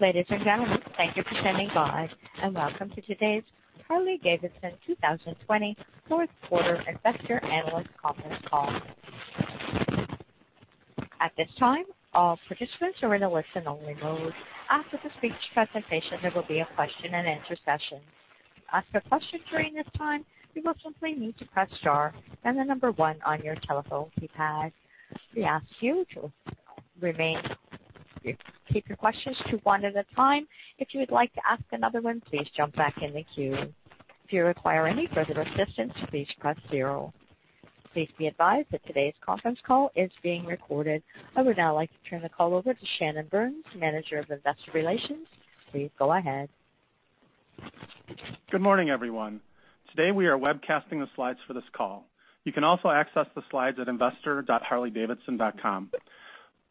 Ladies and gentlemen, thank you for standing by and welcome to today's Harley-Davidson 2020 Fourth Quarter Investor Analyst Conference Call. At this time, all participants are in a listen-only mode. After the speech presentation, there will be a question-and-answer session. To ask a question during this time, you will simply need to press star and the number one on your telephone keypad. We ask you to keep your questions to one at a time. If you would like to ask another one, please jump back in the queue. If you require any further assistance, please press zero. Please be advised that today's conference call is being recorded. I would now like to turn the call over to Shannon Burns, Manager of Investor Relations. Please go ahead. Good morning, everyone. Today we are webcasting the slides for this call. You can also access the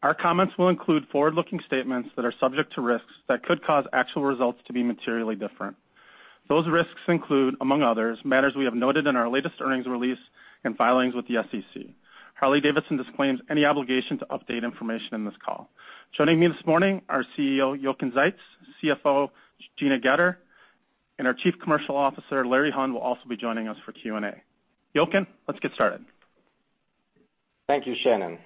slides at investor.harleydavidson.com. Our comments will include forward-looking statements that are subject to risks that could cause actual results to be materially different. Those risks include, among others, matters we have noted in our latest earnings release and filings with the SEC. Harley-Davidson disclaims any obligation to update information in this call. Joining me this morning, our CEO, Jochen Zeitz, CFO, Gina Goetter, and our Chief Commercial Officer, Larry Hunt, will also be joining us for Q&A. Jochen, let's get started. Thank you, Shannon.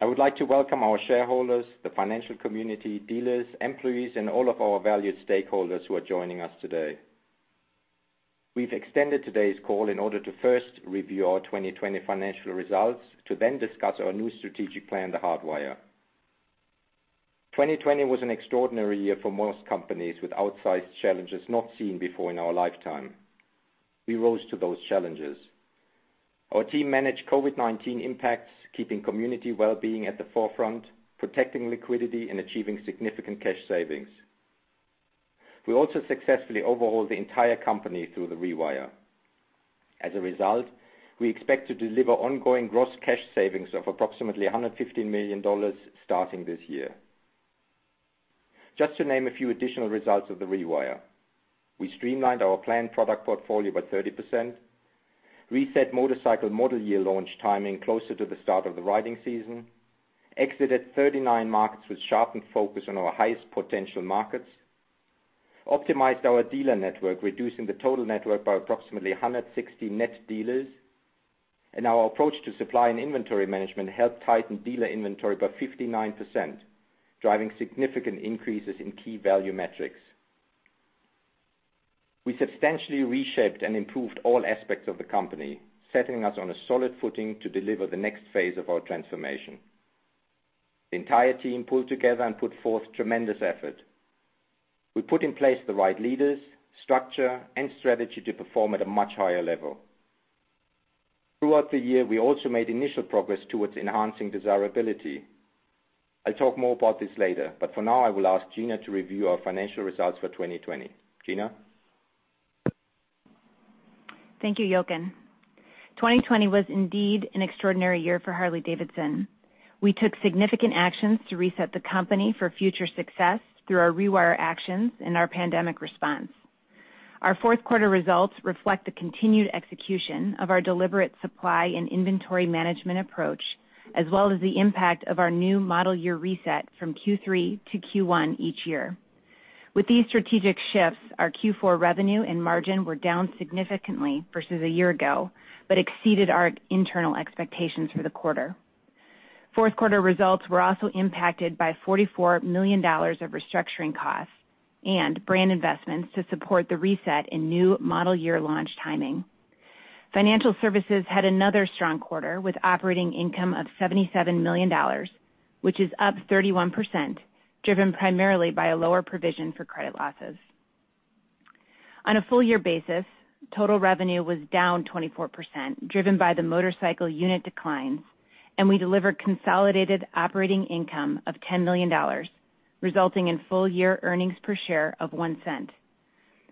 I would like to welcome our shareholders, the financial community, dealers, employees, and all of our valued stakeholders who are joining us today. We've extended today's call in order to first review our 2020 financial results to then discuss our new strategic plan, the Hardwire. 2020 was an extraordinary year for most companies, with outsized challenges not seen before in our lifetime. We rose to those challenges. Our team managed COVID-19 impacts, keeping community well-being at the forefront, protecting liquidity, and achieving significant cash savings. We also successfully overhauled the entire company through the Rewire. As a result, we expect to deliver ongoing gross cash savings of approximately $115 million starting this year. Just to name a few additional results of the Rewire: we streamlined our planned product portfolio by 30%, reset motorcycle model year launch timing closer to the start of the riding season, exited 39 markets with sharpened focus on our highest potential markets, optimized our dealer network, reducing the total network by approximately 160 net dealers, and our approach to supply and inventory management helped tighten dealer inventory by 59%, driving significant increases in key value metrics. We substantially reshaped and improved all aspects of the company, setting us on a solid footing to deliver the next phase of our transformation. The entire team pulled together and put forth tremendous effort. We put in place the right leaders, structure, and strategy to perform at a much higher level. Throughout the year, we also made initial progress towards enhancing desirability. I'll talk more about this later, but for now, I will ask Gina to review our financial results for 2020. Gina? Thank you, Jochen. 2020 was indeed an extraordinary year for Harley-Davidson. We took significant actions to reset the company for future success through our rewire actions and our pandemic response. Our fourth quarter results reflect the continued execution of our deliberate supply and inventory management approach, as well as the impact of our new model year reset from Q3 to Q1 each year. With these strategic shifts, our Q4 revenue and margin were down significantly versus a year ago, but exceeded our internal expectations for the quarter. Fourth quarter results were also impacted by $44 million of restructuring costs and brand investments to support the reset and new model year launch timing. Financial services had another strong quarter with operating income of $77 million, which is up 31%, driven primarily by a lower provision for credit losses. On a full-year basis, total revenue was down 24%, driven by the motorcycle unit declines, and we delivered consolidated operating income of $10 million, resulting in full-year earnings per share of $0.01.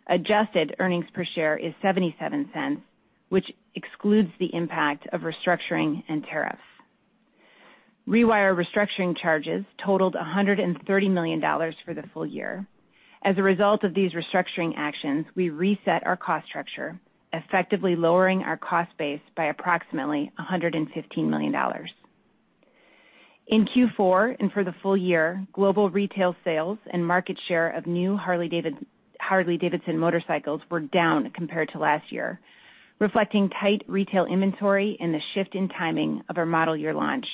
Adjusted earnings per share is $0.77, which excludes the impact of restructuring and tariffs. Rewire restructuring charges totaled $130 million for the full year. As a result of these restructuring actions, we reset our cost structure, effectively lowering our cost base by approximately $115 million. In Q4 and for the full year, global retail sales and market share of new Harley-Davidson motorcycles were down compared to last year, reflecting tight retail inventory and the shift in timing of our model year launch.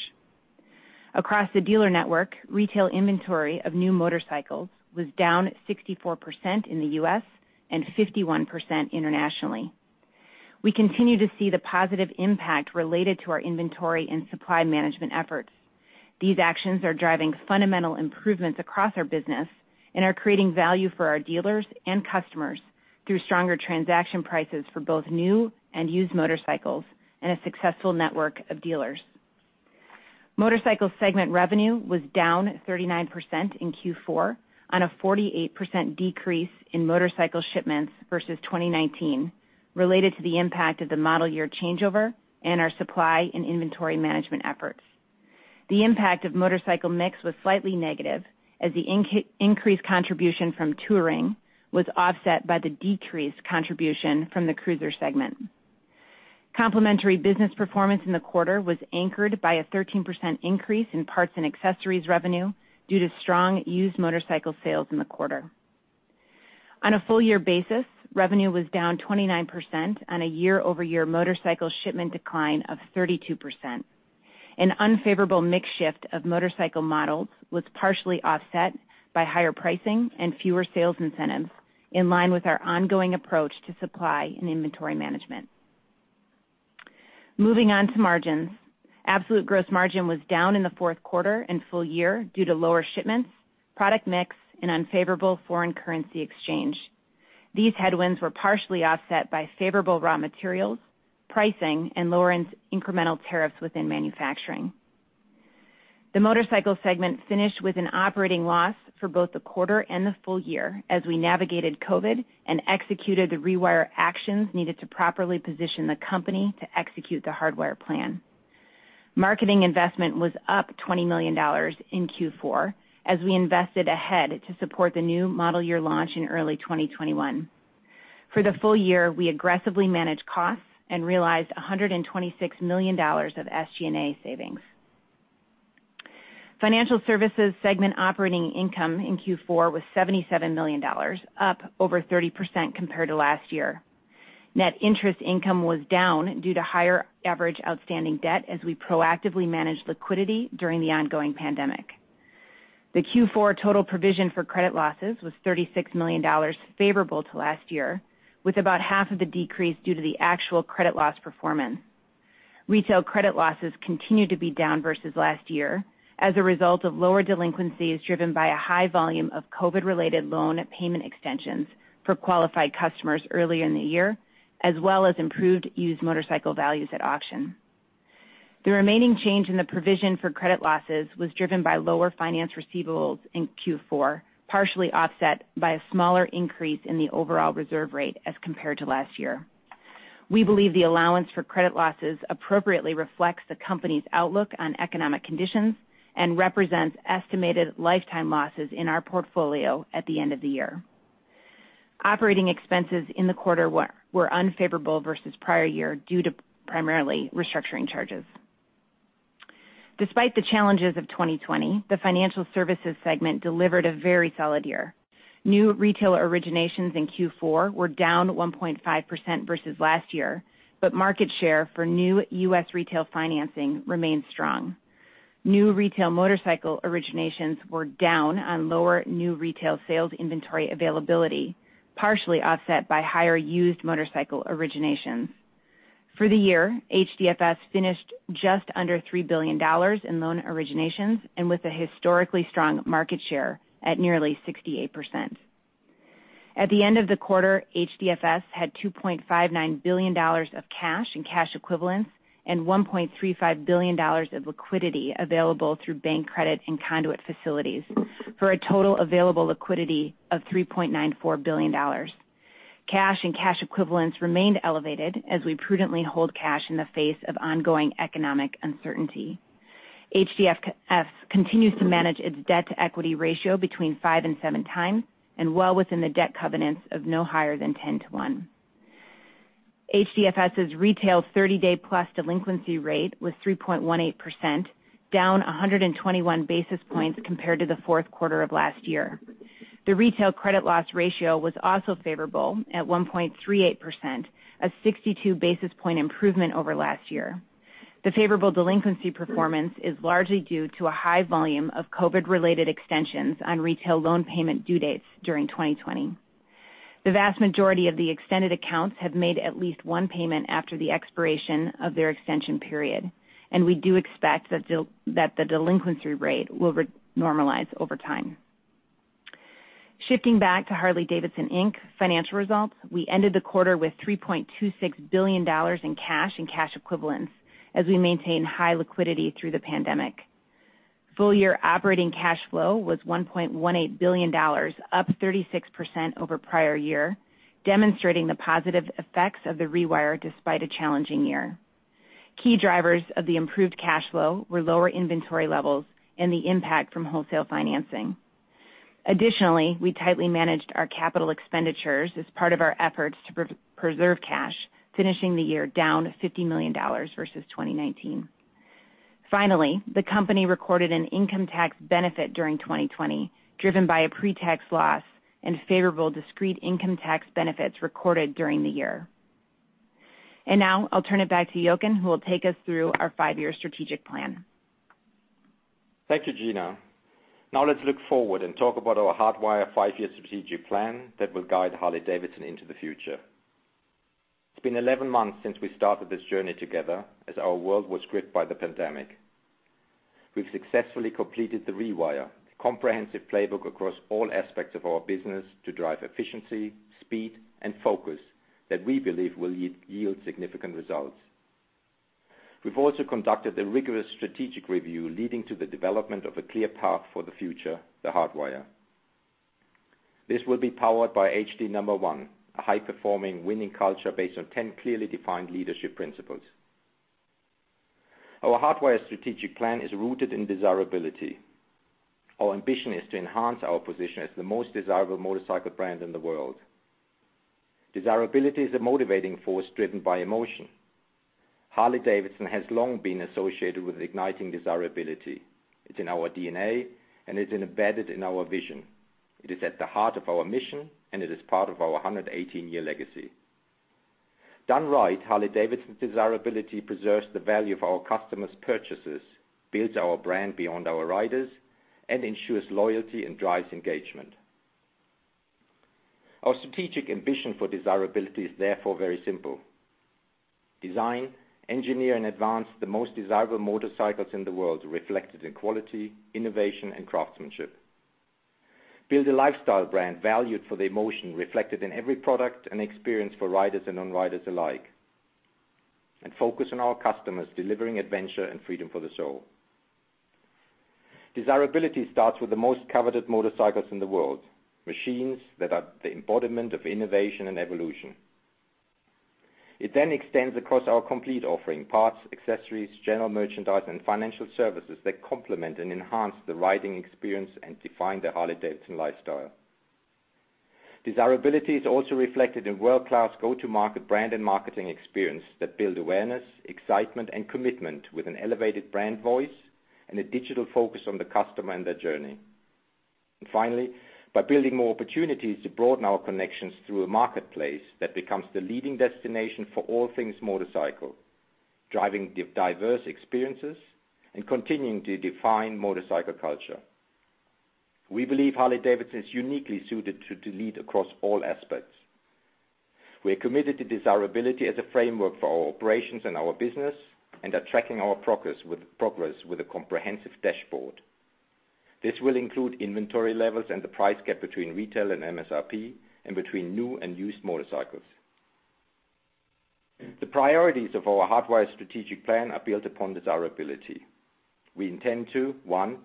Across the dealer network, retail inventory of new motorcycles was down 64% in the US and 51% internationally. We continue to see the positive impact related to our inventory and supply management efforts. These actions are driving fundamental improvements across our business and are creating value for our dealers and customers through stronger transaction prices for both new and used motorcycles and a successful network of dealers. Motorcycle segment revenue was down 39% in Q4, on a 48% decrease in motorcycle shipments versus 2019, related to the impact of the model year changeover and our supply and inventory management efforts. The impact of motorcycle mix was slightly negative, as the increased contribution from touring was offset by the decreased contribution from the cruiser segment. Complimentary business performance in the quarter was anchored by a 13% increase in parts and accessories revenue due to strong used motorcycle sales in the quarter. On a full-year basis, revenue was down 29% on a year-over-year motorcycle shipment decline of 32%. An unfavorable mix shift of motorcycle models was partially offset by higher pricing and fewer sales incentives, in line with our ongoing approach to supply and inventory management. Moving on to margins, absolute gross margin was down in the fourth quarter and full year due to lower shipments, product mix, and unfavorable foreign currency exchange. These headwinds were partially offset by favorable raw materials, pricing, and lower incremental tariffs within manufacturing. The motorcycle segment finished with an operating loss for both the quarter and the full year as we navigated COVID and executed the rewire actions needed to properly position the company to execute the Hardwire plan. Marketing investment was up $20 million in Q4 as we invested ahead to support the new model year launch in early 2021. For the full year, we aggressively managed costs and realized $126 million of SG&A savings. Financial services segment operating income in Q4 was $77 million, up over 30% compared to last year. Net interest income was down due to higher average outstanding debt as we proactively managed liquidity during the ongoing pandemic. The Q4 total provision for credit losses was $36 million favorable to last year, with about half of the decrease due to the actual credit loss performance. Retail credit losses continued to be down versus last year as a result of lower delinquencies driven by a high volume of COVID-related loan payment extensions for qualified customers earlier in the year, as well as improved used motorcycle values at auction. The remaining change in the provision for credit losses was driven by lower finance receivables in Q4, partially offset by a smaller increase in the overall reserve rate as compared to last year. We believe the allowance for credit losses appropriately reflects the company's outlook on economic conditions and represents estimated lifetime losses in our portfolio at the end of the year. Operating expenses in the quarter were unfavorable versus prior year due to primarily restructuring charges. Despite the challenges of 2020, the financial services segment delivered a very solid year. New retail originations in Q4 were down 1.5% versus last year, but market share for new US retail financing remained strong. New retail motorcycle originations were down on lower new retail sales inventory availability, partially offset by higher used motorcycle originations. For the year, HDFS finished just under $3 billion in loan originations and with a historically strong market share at nearly 68%. At the end of the quarter, HDFS had $2.59 billion of cash and cash equivalents and $1.35 billion of liquidity available through bank credit and conduit facilities, for a total available liquidity of $3.94 billion. Cash and cash equivalents remained elevated as we prudently hold cash in the face of ongoing economic uncertainty. HDFS continues to manage its debt-to-equity ratio between five and seven times and well within the debt covenants of no higher than 10 to 1. HDFS's retail 30-day plus delinquency rate was 3.18%, down 121 basis points compared to the fourth quarter of last year. The retail credit loss ratio was also favorable at 1.38%, a 62 basis point improvement over last year. The favorable delinquency performance is largely due to a high volume of COVID-related extensions on retail loan payment due dates during 2020. The vast majority of the extended accounts have made at least one payment after the expiration of their extension period, and we do expect that the delinquency rate will normalize over time. Shifting back to Harley-Davidson financial results, we ended the quarter with $3.26 billion in cash and cash equivalents as we maintained high liquidity through the pandemic. Full-year operating cash flow was $1.18 billion, up 36% over prior year, demonstrating the positive effects of the rewire despite a challenging year. Key drivers of the improved cash flow were lower inventory levels and the impact from wholesale financing. Additionally, we tightly managed our capital expenditures as part of our efforts to preserve cash, finishing the year down $50 million versus 2019. Finally, the company recorded an income tax benefit during 2020, driven by a pre-tax loss and favorable discrete income tax benefits recorded during the year. I will turn it back to Jochen, who will take us through our five-year strategic plan. Thank you, Gina. Now let's look forward and talk about our Hardwire five-year strategic plan that will guide Harley-Davidson into the future. It's been 11 months since we started this journey together as our world was gripped by the pandemic. We've successfully completed the Rewire, a comprehensive playbook across all aspects of our business to drive efficiency, speed, and focus that we believe will yield significant results. We've also conducted a rigorous strategic review leading to the development of a clear path for the future, the Hardwire. This will be powered by HD No. 1, a high-performing, winning culture based on 10 clearly defined leadership principles. Our Hardwire strategic plan is rooted in desirability. Our ambition is to enhance our position as the most desirable motorcycle brand in the world. Desirability is a motivating force driven by emotion. Harley-Davidson has long been associated with igniting desirability. It's in our DNA, and it's embedded in our vision. It is at the heart of our mission, and it is part of our 118-year legacy. Done right, Harley-Davidson's desirability preserves the value of our customers' purchases, builds our brand beyond our riders, and ensures loyalty and drives engagement. Our strategic ambition for desirability is therefore very simple. Design, engineer, and advance the most desirable motorcycles in the world reflected in quality, innovation, and craftsmanship. Build a lifestyle brand valued for the emotion reflected in every product and experience for riders and non-riders alike, and focus on our customers delivering adventure and freedom for the soul. Desirability starts with the most coveted motorcycles in the world, machines that are the embodiment of innovation and evolution. It then extends across our complete offering: parts, accessories, general merchandise, and financial services that complement and enhance the riding experience and define the Harley-Davidson lifestyle. Desirability is also reflected in world-class go-to-market brand and marketing experience that build awareness, excitement, and commitment with an elevated brand voice and a digital focus on the customer and their journey. Finally, by building more opportunities to broaden our connections through a marketplace that becomes the leading destination for all things motorcycle, driving diverse experiences and continuing to define motorcycle culture. We believe Harley-Davidson is uniquely suited to lead across all aspects. We are committed to desirability as a framework for our operations and our business and are tracking our progress with a comprehensive dashboard. This will include inventory levels and the price gap between retail and MSRP and between new and used motorcycles. The priorities of our Hardwire strategic plan are built upon desirability. We intend to, one,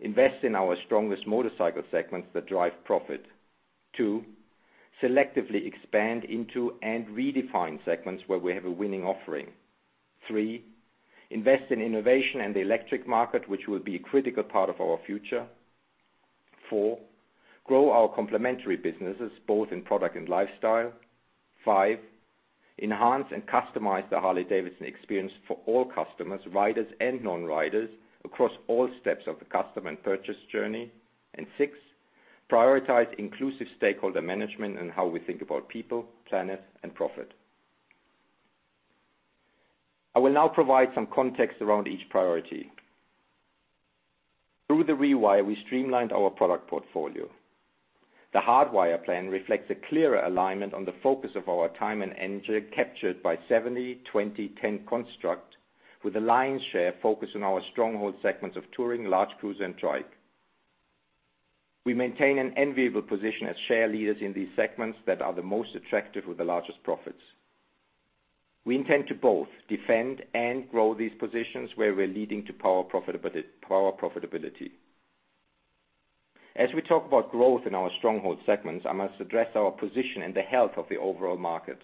invest in our strongest motorcycle segments that drive profit; two, selectively expand into and redefine segments where we have a winning offering; three, invest in innovation and the electric market, which will be a critical part of our future; four, grow our complementary businesses both in product and lifestyle; five, enhance and customize the Harley-Davidson experience for all customers, riders, and non-riders across all steps of the customer and purchase journey; and six, prioritize inclusive stakeholder management and how we think about people, planet, and profit. I will now provide some context around each priority. Through the Rewire, we streamlined our product portfolio. The Hardwire plan reflects a clearer alignment on the focus of our time and energy captured by 70-20-10 construct, with a lion's share focus on our stronghold segments of Touring, large cruiser, and ADV. We maintain an enviable position as share leaders in these segments that are the most attractive with the largest profits. We intend to both defend and grow these positions where we're leading to power profitability. As we talk about growth in our stronghold segments, I must address our position and the health of the overall market.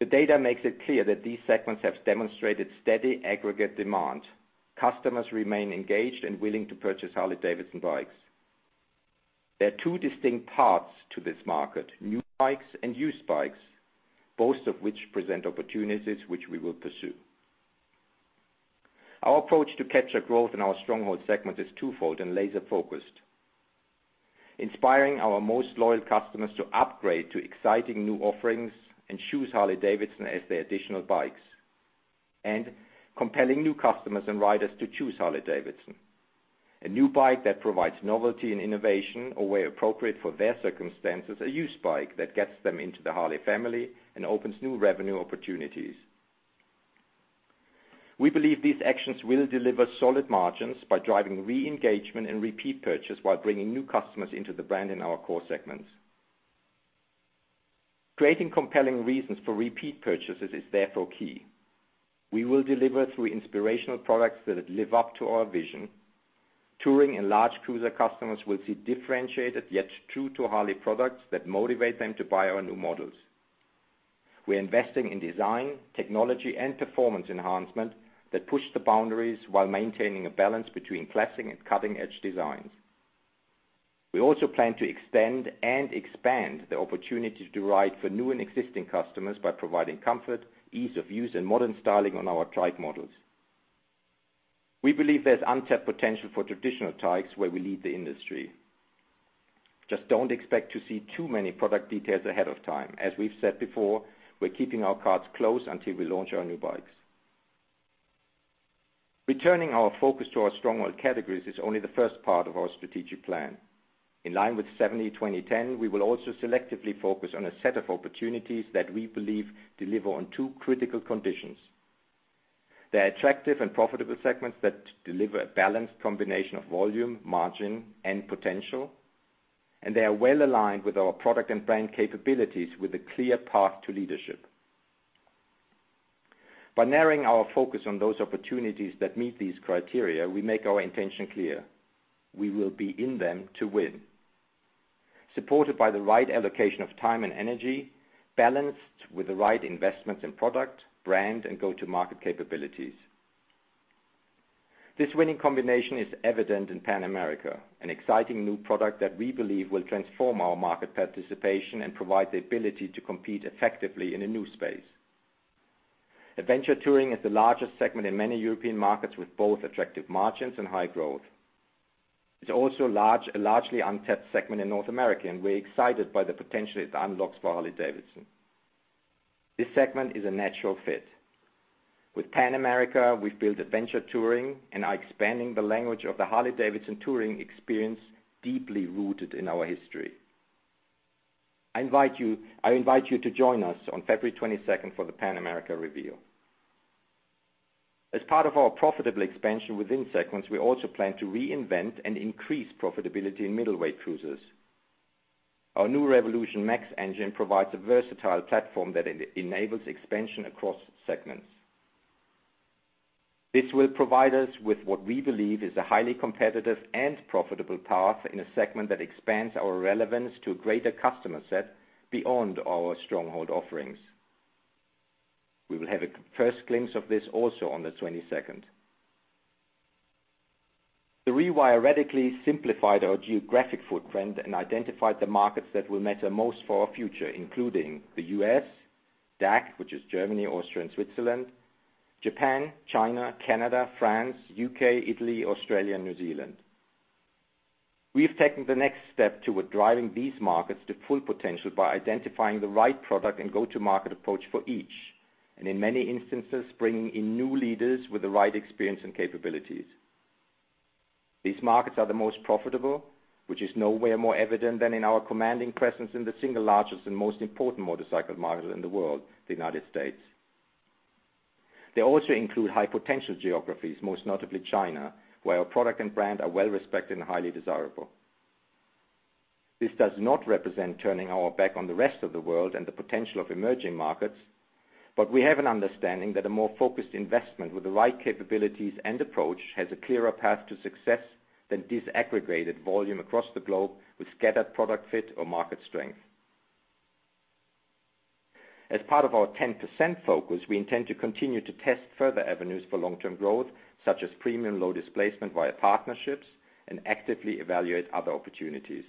The data makes it clear that these segments have demonstrated steady aggregate demand. Customers remain engaged and willing to purchase Harley-Davidson bikes. There are two distinct parts to this market: new bikes and used bikes, both of which present opportunities which we will pursue. Our approach to capture growth in our stronghold segments is twofold and laser-focused. Inspiring our most loyal customers to upgrade to exciting new offerings and choose Harley-Davidson as their additional bikes, and compelling new customers and riders to choose Harley-Davidson. A new bike that provides novelty and innovation or where appropriate for their circumstances is a used bike that gets them into the Harley family and opens new revenue opportunities. We believe these actions will deliver solid margins by driving re-engagement and repeat purchase while bringing new customers into the brand and our core segments. Creating compelling reasons for repeat purchases is therefore key. We will deliver through inspirational products that live up to our vision. Touring and large cruiser customers will see differentiated yet true to Harley products that motivate them to buy our new models. We're investing in design, technology, and performance enhancement that push the boundaries while maintaining a balance between classic and cutting-edge designs. We also plan to extend and expand the opportunity to ride for new and existing customers by providing comfort, ease of use, and modern styling on our trike models. We believe there's untapped potential for traditional trikes where we lead the industry. Just don't expect to see too many product details ahead of time. As we've said before, we're keeping our cards closed until we launch our new bikes. Returning our focus to our stronghold categories is only the first part of our strategic plan. In line with 70-20-10, we will also selectively focus on a set of opportunities that we believe deliver on two critical conditions. They're attractive and profitable segments that deliver a balanced combination of volume, margin, and potential, and they are well aligned with our product and brand capabilities with a clear path to leadership. By narrowing our focus on those opportunities that meet these criteria, we make our intention clear: we will be in them to win, supported by the right allocation of time and energy, balanced with the right investments in product, brand, and go-to-market capabilities. This winning combination is evident in Pan America, an exciting new product that we believe will transform our market participation and provide the ability to compete effectively in a new space. Adventure touring is the largest segment in many European markets with both attractive margins and high growth. It is also a largely untapped segment in North America, and we are excited by the potential it unlocks for Harley-Davidson. This segment is a natural fit. With Pan America, we have built adventure touring and are expanding the language of the Harley-Davidson touring experience deeply rooted in our history. I invite you to join us on February 22 for the Pan America reveal. As part of our profitable expansion within segments, we also plan to reinvent and increase profitability in middleweight cruisers. Our new Revolution MAX engine provides a versatile platform that enables expansion across segments. This will provide us with what we believe is a highly competitive and profitable path in a segment that expands our relevance to a greater customer set beyond our stronghold offerings. We will have a first glimpse of this also on the 22nd. The Rewire radically simplified our geographic footprint and identified the markets that will matter most for our future, including the U.S., DACH, which is Germany, Austria, and Switzerland, Japan, China, Canada, France, U.K., Italy, Australia, and New Zealand. We've taken the next step toward driving these markets to full potential by identifying the right product and go-to-market approach for each, and in many instances, bringing in new leaders with the right experience and capabilities. These markets are the most profitable, which is nowhere more evident than in our commanding presence in the single largest and most important motorcycle market in the world, the U.S. They also include high-potential geographies, most notably China, where our product and brand are well respected and highly desirable. This does not represent turning our back on the rest of the world and the potential of emerging markets, but we have an understanding that a more focused investment with the right capabilities and approach has a clearer path to success than disaggregated volume across the globe with scattered product fit or market strength. As part of our 10% focus, we intend to continue to test further avenues for long-term growth, such as premium low displacement via partnerships, and actively evaluate other opportunities.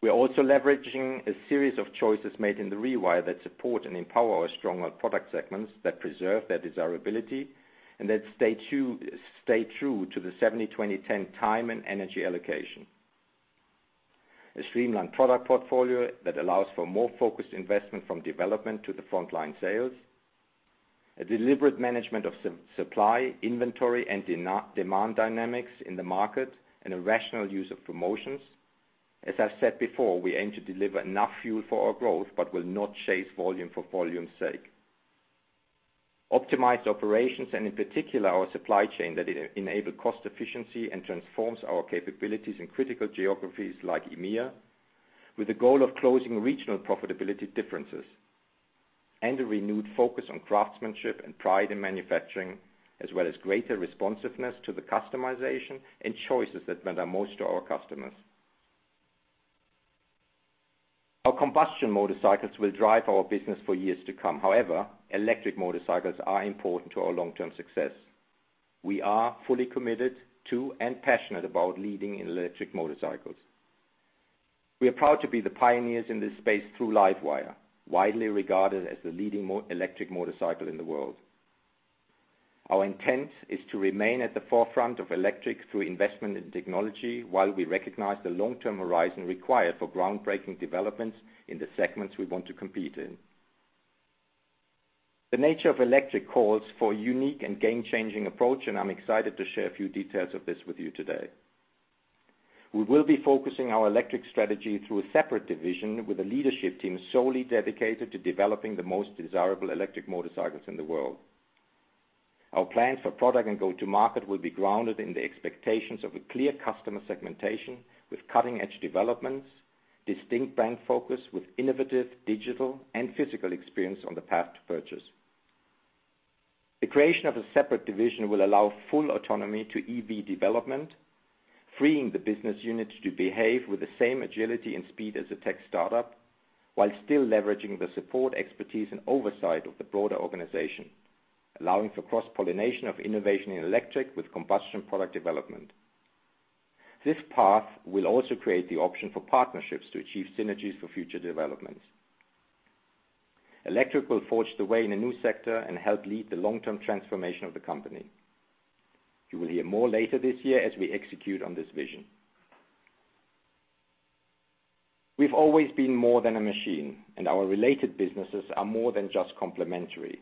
We're also leveraging a series of choices made in the Rewire that support and empower our stronghold product segments that preserve their desirability and that stay true to the 70-20-10 time and energy allocation, a streamlined product portfolio that allows for more focused investment from development to the frontline sales, a deliberate management of supply, inventory, and demand dynamics in the market, and a rational use of promotions. As I've said before, we aim to deliver enough fuel for our growth but will not chase volume for volume's sake. Optimized operations and, in particular, our supply chain that enables cost efficiency and transforms our capabilities in critical geographies like EMEA, with the goal of closing regional profitability differences and a renewed focus on craftsmanship and pride in manufacturing, as well as greater responsiveness to the customization and choices that matter most to our customers. Our combustion motorcycles will drive our business for years to come. However, electric motorcycles are important to our long-term success. We are fully committed to and passionate about leading in electric motorcycles. We are proud to be the pioneers in this space through LiveWire, widely regarded as the leading electric motorcycle in the world. Our intent is to remain at the forefront of electric through investment in technology while we recognize the long-term horizon required for groundbreaking developments in the segments we want to compete in. The nature of electric calls for a unique and game-changing approach, and I'm excited to share a few details of this with you today. We will be focusing our electric strategy through a separate division with a leadership team solely dedicated to developing the most desirable electric motorcycles in the world. Our plans for product and go-to-market will be grounded in the expectations of a clear customer segmentation with cutting-edge developments, distinct brand focus with innovative digital and physical experience on the path to purchase. The creation of a separate division will allow full autonomy to EV development, freeing the business unit to behave with the same agility and speed as a tech startup while still leveraging the support, expertise, and oversight of the broader organization, allowing for cross-pollination of innovation in electric with combustion product development. This path will also create the option for partnerships to achieve synergies for future developments. Electric will forge the way in a new sector and help lead the long-term transformation of the company. You will hear more later this year as we execute on this vision. We've always been more than a machine, and our related businesses are more than just complementary.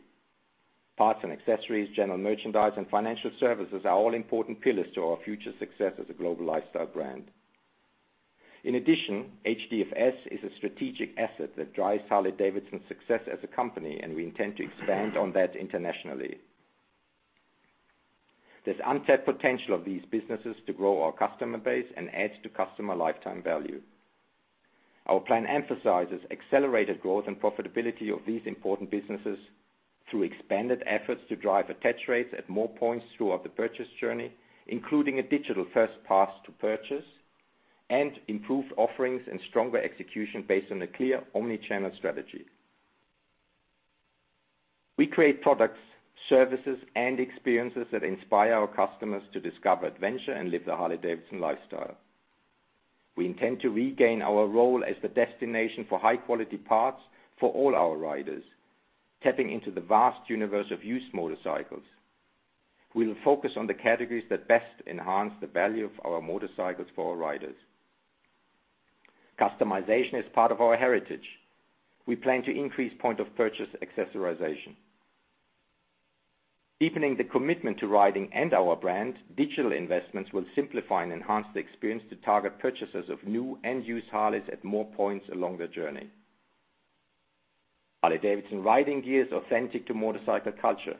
Parts and accessories, general merchandise, and financial services are all important pillars to our future success as a global lifestyle brand. In addition, HDFS is a strategic asset that drives Harley-Davidson's success as a company, and we intend to expand on that internationally. There's untapped potential of these businesses to grow our customer base and add to customer lifetime value. Our plan emphasizes accelerated growth and profitability of these important businesses through expanded efforts to drive attach rates at more points throughout the purchase journey, including a digital first pass to purchase, and improved offerings and stronger execution based on a clear omnichannel strategy. We create products, services, and experiences that inspire our customers to discover adventure and live the Harley-Davidson lifestyle. We intend to regain our role as the destination for high-quality parts for all our riders, tapping into the vast universe of used motorcycles. We will focus on the categories that best enhance the value of our motorcycles for our riders. Customization is part of our heritage. We plan to increase point-of-purchase accessorization. Deepening the commitment to riding and our brand, digital investments will simplify and enhance the experience to target purchasers of new and used Harleys at more points along the journey. Harley-Davidson riding gear is authentic to motorcycle culture.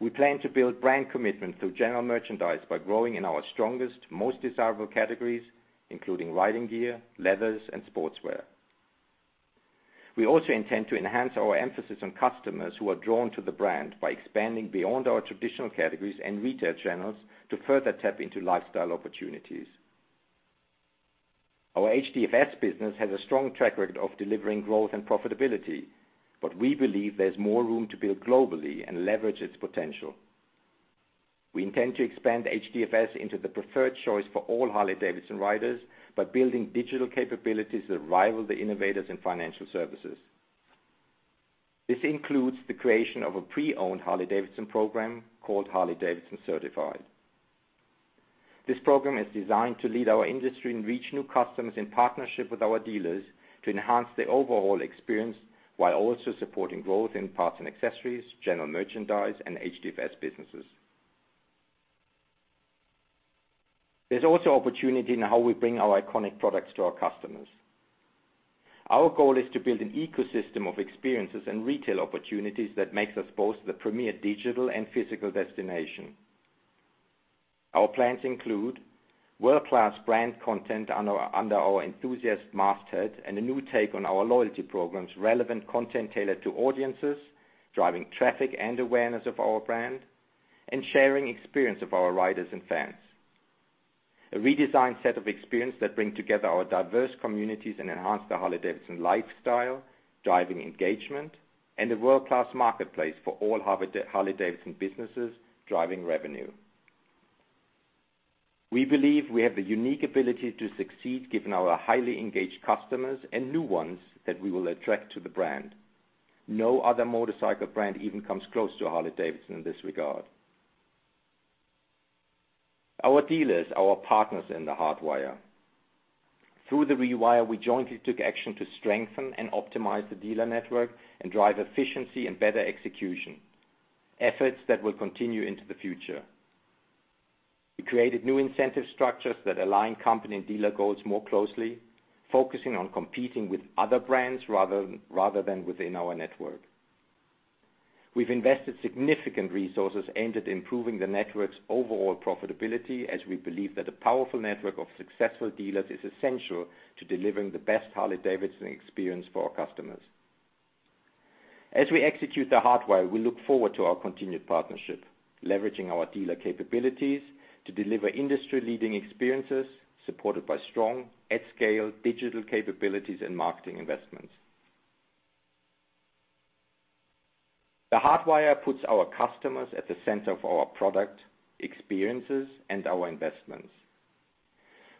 We plan to build brand commitment through general merchandise by growing in our strongest, most desirable categories, including riding gear, leathers, and sportswear. We also intend to enhance our emphasis on customers who are drawn to the brand by expanding beyond our traditional categories and retail channels to further tap into lifestyle opportunities. Our HDFS business has a strong track record of delivering growth and profitability, but we believe there's more room to build globally and leverage its potential. We intend to expand HDFS into the preferred choice for all Harley-Davidson riders by building digital capabilities that rival the innovators in financial services. This includes the creation of a pre-owned Harley-Davidson program called Harley-Davidson Certified. This program is designed to lead our industry and reach new customers in partnership with our dealers to enhance the overall experience while also supporting growth in parts and accessories, general merchandise, and HDFS businesses. There is also opportunity in how we bring our iconic products to our customers. Our goal is to build an ecosystem of experiences and retail opportunities that makes us both the premier digital and physical destination. Our plans include world-class brand content under our enthusiasts' masthead and a new take on our loyalty programs, relevant content tailored to audiences, driving traffic and awareness of our brand, and sharing experience of our riders and fans. A redesigned set of experiences that bring together our diverse communities and enhance the Harley-Davidson lifestyle, driving engagement, and a world-class marketplace for all Harley-Davidson businesses, driving revenue. We believe we have the unique ability to succeed given our highly engaged customers and new ones that we will attract to the brand. No other motorcycle brand even comes close to Harley-Davidson in this regard. Our dealers are our partners in the Hardwire. Through the Rewire, we jointly took action to strengthen and optimize the dealer network and drive efficiency and better execution, efforts that will continue into the future. We created new incentive structures that align company and dealer goals more closely, focusing on competing with other brands rather than within our network. We've invested significant resources aimed at improving the network's overall profitability as we believe that a powerful network of successful dealers is essential to delivering the best Harley-Davidson experience for our customers. As we execute the Hardwire, we look forward to our continued partnership, leveraging our dealer capabilities to deliver industry-leading experiences supported by strong at-scale digital capabilities and marketing investments. The Hardwire puts our customers at the center of our product, experiences, and our investments.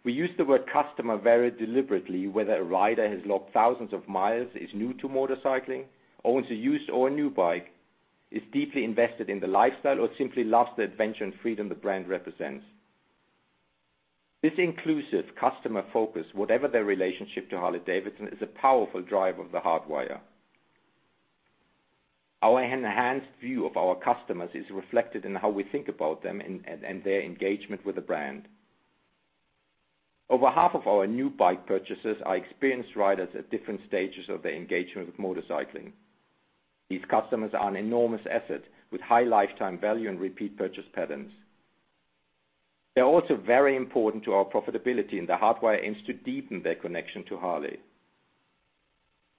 We use the word customer very deliberately, whether a rider has logged thousands of miles, is new to motorcycling, owns a used or a new bike, is deeply invested in the lifestyle, or simply loves the adventure and freedom the brand represents. This inclusive customer focus, whatever their relationship to Harley-Davidson, is a powerful driver of the Hardwire. Our enhanced view of our customers is reflected in how we think about them and their engagement with the brand. Over half of our new bike purchasers are experienced riders at different stages of their engagement with motorcycling. These customers are an enormous asset with high lifetime value and repeat purchase patterns. They're also very important to our profitability, and the Hardwire aims to deepen their connection to Harley-Davidson.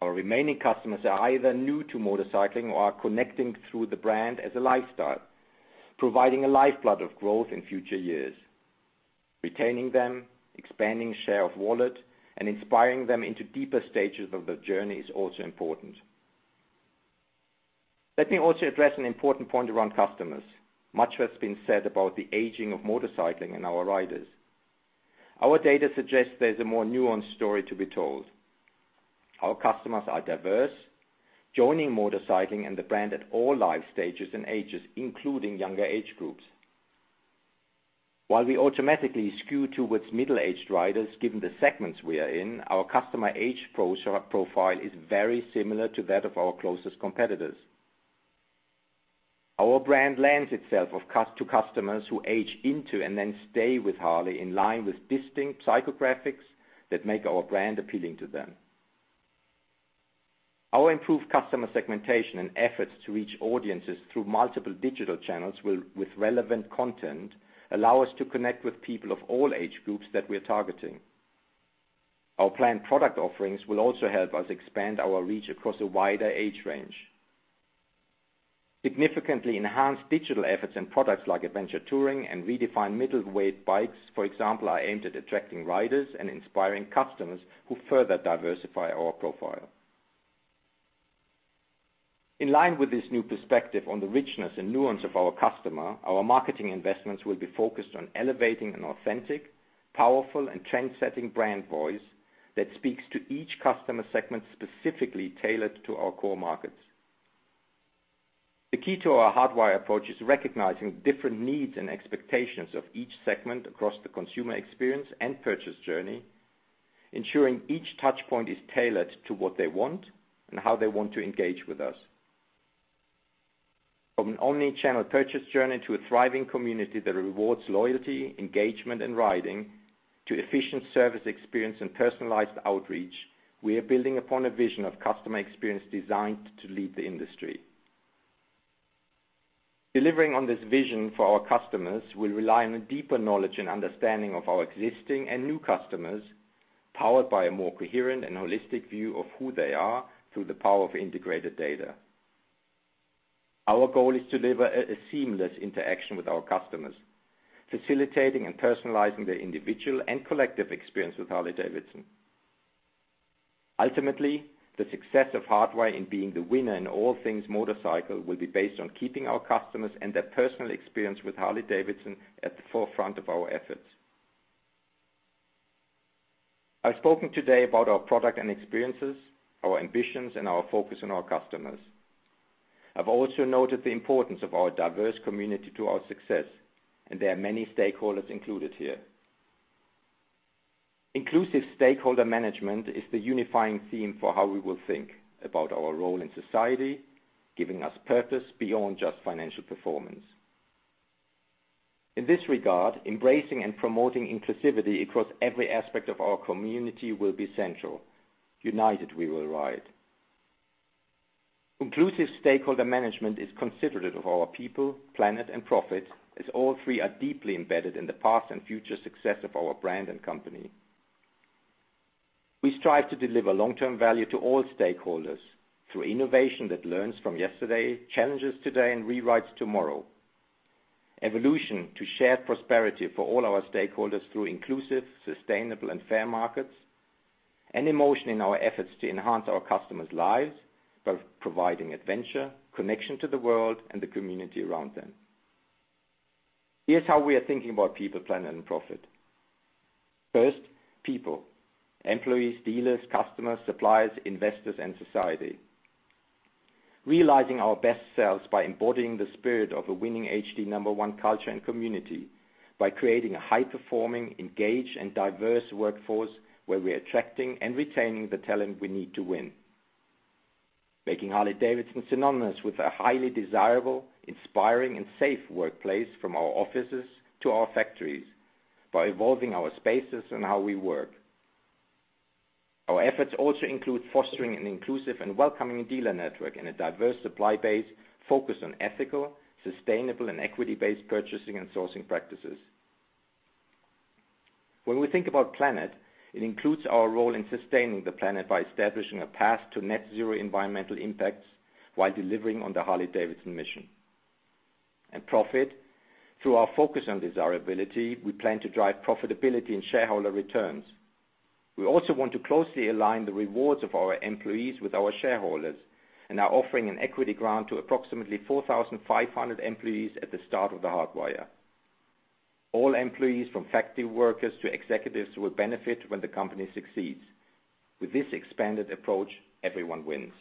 Our remaining customers are either new to motorcycling or are connecting through the brand as a lifestyle, providing a lifeblood of growth in future years. Retaining them, expanding share of wallet, and inspiring them into deeper stages of the journey is also important. Let me also address an important point around customers. Much has been said about the aging of motorcycling and our riders. Our data suggests there's a more nuanced story to be told. Our customers are diverse, joining motorcycling and the brand at all life stages and ages, including younger age groups. While we automatically skew towards middle-aged riders given the segments we are in, our customer age profile is very similar to that of our closest competitors. Our brand lends itself to customers who age into and then stay with Harley in line with distinct psychographics that make our brand appealing to them. Our improved customer segmentation and efforts to reach audiences through multiple digital channels with relevant content allow us to connect with people of all age groups that we are targeting. Our planned product offerings will also help us expand our reach across a wider age range. Significantly enhanced digital efforts and products like adventure touring and redefined middleweight bikes, for example, are aimed at attracting riders and inspiring customers who further diversify our profile. In line with this new perspective on the richness and nuance of our customer, our marketing investments will be focused on elevating an authentic, powerful, and trendsetting brand voice that speaks to each customer segment specifically tailored to our core markets. The key to our Hardwire approach is recognizing different needs and expectations of each segment across the consumer experience and purchase journey, ensuring each touchpoint is tailored to what they want and how they want to engage with us. From an omnichannel purchase journey to a thriving community that rewards loyalty, engagement, and riding to efficient service experience and personalized outreach, we are building upon a vision of customer experience designed to lead the industry. Delivering on this vision for our customers will rely on a deeper knowledge and understanding of our existing and new customers, powered by a more coherent and holistic view of who they are through the power of integrated data. Our goal is to deliver a seamless interaction with our customers, facilitating and personalizing their individual and collective experience with Harley-Davidson. Ultimately, the success of Hardwire in being the winner in all things motorcycle will be based on keeping our customers and their personal experience with Harley-Davidson at the forefront of our efforts. I've spoken today about our product and experiences, our ambitions, and our focus on our customers. I've also noted the importance of our diverse community to our success, and there are many stakeholders included here. Inclusive stakeholder management is the unifying theme for how we will think about our role in society, giving us purpose beyond just financial performance. In this regard, embracing and promoting inclusivity across every aspect of our community will be central. United, we will ride. Inclusive stakeholder management is considerate of our people, planet, and profit, as all three are deeply embedded in the past and future success of our brand and company. We strive to deliver long-term value to all stakeholders through innovation that learns from yesterday, challenges today, and rewrites tomorrow. Evolution to shared prosperity for all our stakeholders through inclusive, sustainable, and fair markets, and emotion in our efforts to enhance our customers' lives by providing adventure, connection to the world, and the community around them. Here is how we are thinking about people, planet, and profit. First, people: employees, dealers, customers, suppliers, investors, and society. Realizing our best selves by embodying the spirit of a winning HD No. 1 culture and community by creating a high-performing, engaged, and diverse workforce where we're attracting and retaining the talent we need to win. Making Harley-Davidson synonymous with a highly desirable, inspiring, and safe workplace from our offices to our factories by evolving our spaces and how we work. Our efforts also include fostering an inclusive and welcoming dealer network and a diverse supply base focused on ethical, sustainable, and equity-based purchasing and sourcing practices. When we think about planet, it includes our role in sustaining the planet by establishing a path to net-zero environmental impacts while delivering on the Harley-Davidson mission. And profit. Through our focus on desirability, we plan to drive profitability and shareholder returns. We also want to closely align the rewards of our employees with our shareholders and are offering an equity grant to approximately 4,500 employees at the start of the Hardwire. All employees, from factory workers to executives, will benefit when the company succeeds. With this expanded approach, everyone wins.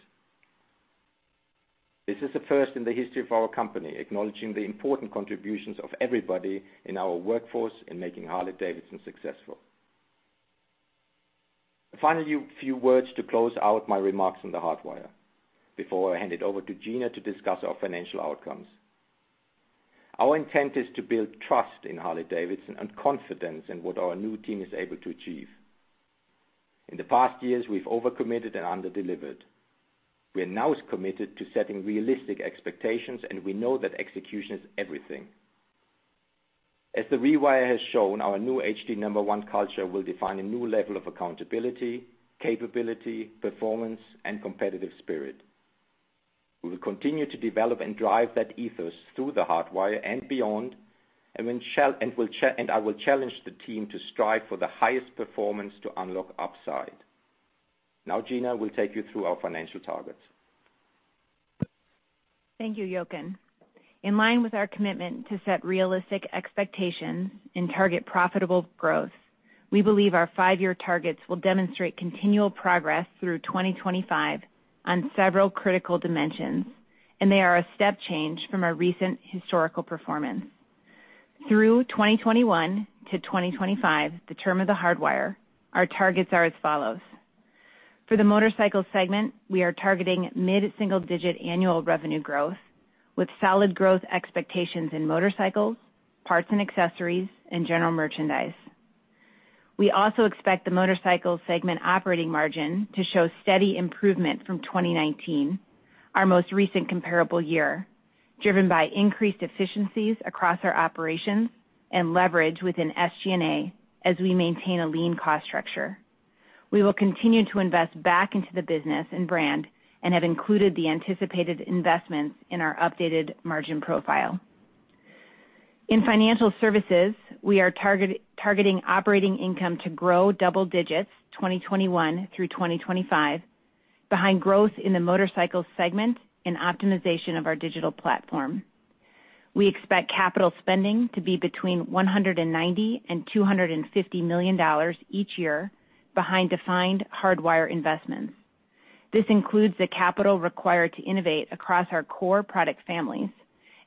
This is a first in the history of our company, acknowledging the important contributions of everybody in our workforce in making Harley-Davidson successful. Finally, a few words to close out my remarks on the Hardwire before I hand it over to Gina to discuss our financial outcomes. Our intent is to build trust in Harley-Davidson and confidence in what our new team is able to achieve. In the past years, we've overcommitted and underdelivered. We are now committed to setting realistic expectations, and we know that execution is everything. As the Rewire has shown, our new HD No. 1 culture will define a new level of accountability, capability, performance, and competitive spirit. We will continue to develop and drive that ethos through the Hardwire and beyond, and I will challenge the team to strive for the highest performance to unlock upside. Now, Gina, we will take you through our financial targets. Thank you, Jochen. In line with our commitment to set realistic expectations and target profitable growth, we believe our five-year targets will demonstrate continual progress through 2025 on several critical dimensions, and they are a step change from our recent historical performance. Through 2021 to 2025, the term of the Hardwire, our targets are as follows. For the motorcycle segment, we are targeting mid-single-digit annual revenue growth with solid growth expectations in motorcycles, parts and accessories, and general merchandise. We also expect the motorcycle segment operating margin to show steady improvement from 2019, our most recent comparable year, driven by increased efficiencies across our operations and leverage within SG&A as we maintain a lean cost structure. We will continue to invest back into the business and brand and have included the anticipated investments in our updated margin profile. In financial services, we are targeting operating income to grow double digits 2021 through 2025, behind growth in the motorcycle segment and optimization of our digital platform. We expect capital spending to be between $190 million and $250 million each year behind defined Hardwire investments. This includes the capital required to innovate across our core product families.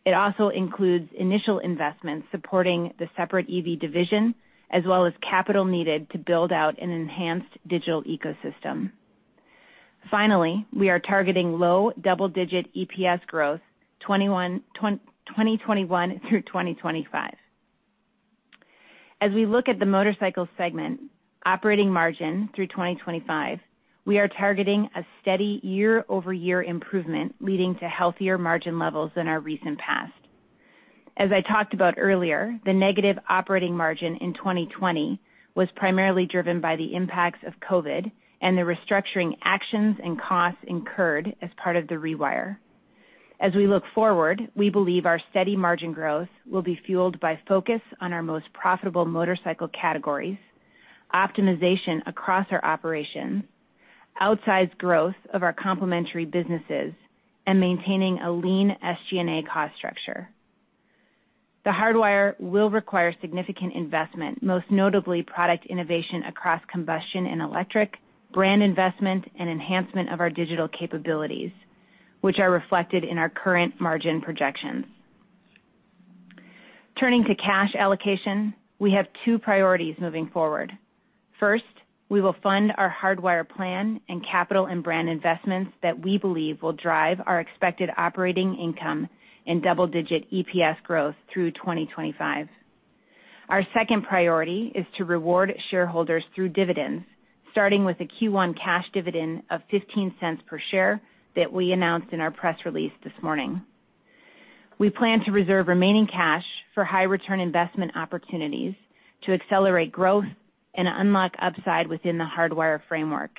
It also includes initial investments supporting the separate EV division, as well as capital needed to build out an enhanced digital ecosystem. Finally, we are targeting low double-digit EPS growth 2021 through 2025. As we look at the motorcycle segment operating margin through 2025, we are targeting a steady year-over-year improvement leading to healthier margin levels than our recent past. As I talked about earlier, the negative operating margin in 2020 was primarily driven by the impacts of COVID and the restructuring actions and costs incurred as part of the rewire. As we look forward, we believe our steady margin growth will be fueled by focus on our most profitable motorcycle categories, optimization across our operations, outsized growth of our complementary businesses, and maintaining a lean SG&A cost structure. The Hardwire will require significant investment, most notably product innovation across combustion and electric, brand investment, and enhancement of our digital capabilities, which are reflected in our current margin projections. Turning to cash allocation, we have two priorities moving forward. First, we will fund our Hardwire plan and capital and brand investments that we believe will drive our expected operating income and double-digit EPS growth through 2025. Our second priority is to reward shareholders through dividends, starting with a Q1 cash dividend of $0.15 per share that we announced in our press release this morning. We plan to reserve remaining cash for high-return investment opportunities to accelerate growth and unlock upside within the Hardwire framework.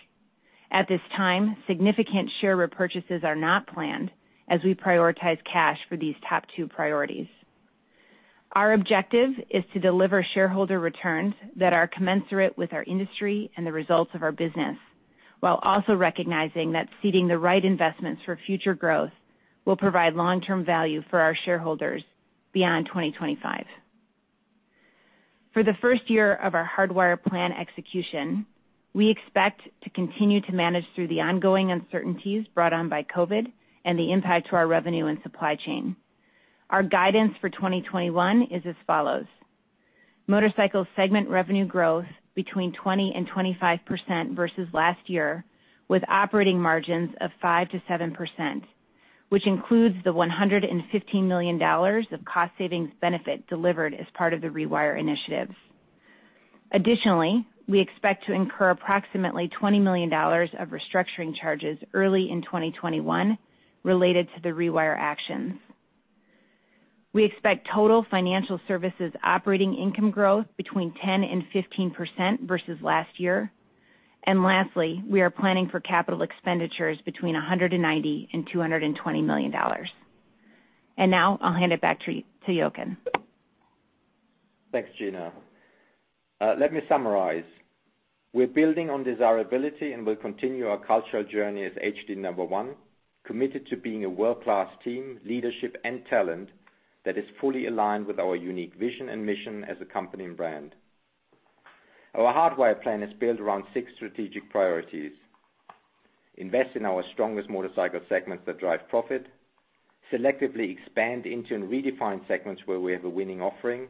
At this time, significant share repurchases are not planned as we prioritize cash for these top two priorities. Our objective is to deliver shareholder returns that are commensurate with our industry and the results of our business, while also recognizing that seeding the right investments for future growth will provide long-term value for our shareholders beyond 2025. For the first year of our Hardwire plan execution, we expect to continue to manage through the ongoing uncertainties brought on by COVID and the impact to our revenue and supply chain. Our guidance for 2021 is as follows. Motorcycle segment revenue growth between 20-25% versus last year, with operating margins of 5-7%, which includes the $115 million of cost savings benefit delivered as part of the Rewire initiative. Additionally, we expect to incur approximately $20 million of restructuring charges early in 2021 related to the Rewire actions. We expect total financial services operating income growth between 10-15% versus last year. Lastly, we are planning for capital expenditures between $190-$220 million. Now I'll hand it back to Jochen. Thanks, Gina. Let me summarize. We're building on desirability and will continue our cultural journey as HD No. 1, committed to being a world-class team, leadership, and talent that is fully aligned with our unique vision and mission as a company and brand. Our Hardwire plan is built around six strategic priorities: invest in our strongest motorcycle segments that drive profit, selectively expand into and redefine segments where we have a winning offering,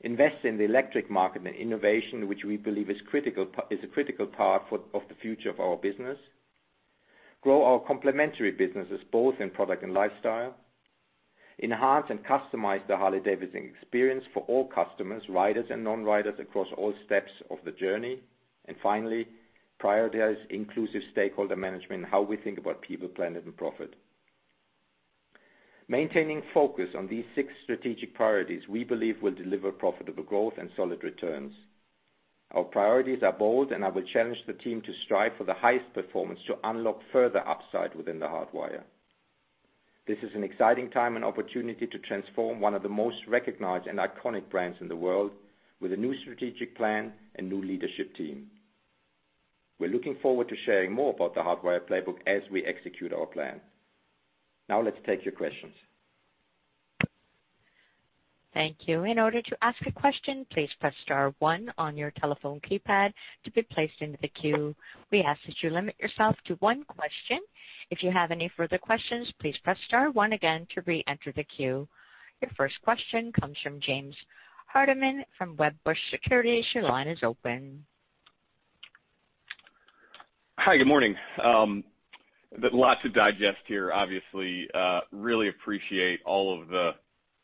invest in the electric market and innovation, which we believe is a critical part of the future of our business, grow our complementary businesses both in product and lifestyle, enhance and customize the Harley-Davidson experience for all customers, riders, and non-riders across all steps of the journey, and finally, prioritize inclusive stakeholder management and how we think about people, planet, and profit. Maintaining focus on these six strategic priorities, we believe will deliver profitable growth and solid returns. Our priorities are bold, and I will challenge the team to strive for the highest performance to unlock further upside within the Hardwire. This is an exciting time and opportunity to transform one of the most recognized and iconic brands in the world with a new strategic plan and new leadership team. We're looking forward to sharing more about the Hardwire playbook as we execute our plan. Now let's take your questions. Thank you. In order to ask a question, please press star one on your telephone keypad to be placed into the queue. We ask that you limit yourself to one question. If you have any further questions, please press star one again to re-enter the queue. Your first question comes from James Hardiman from Wedbush Securities. Your line is open. Hi, good morning. Lots to digest here, obviously. Really appreciate all of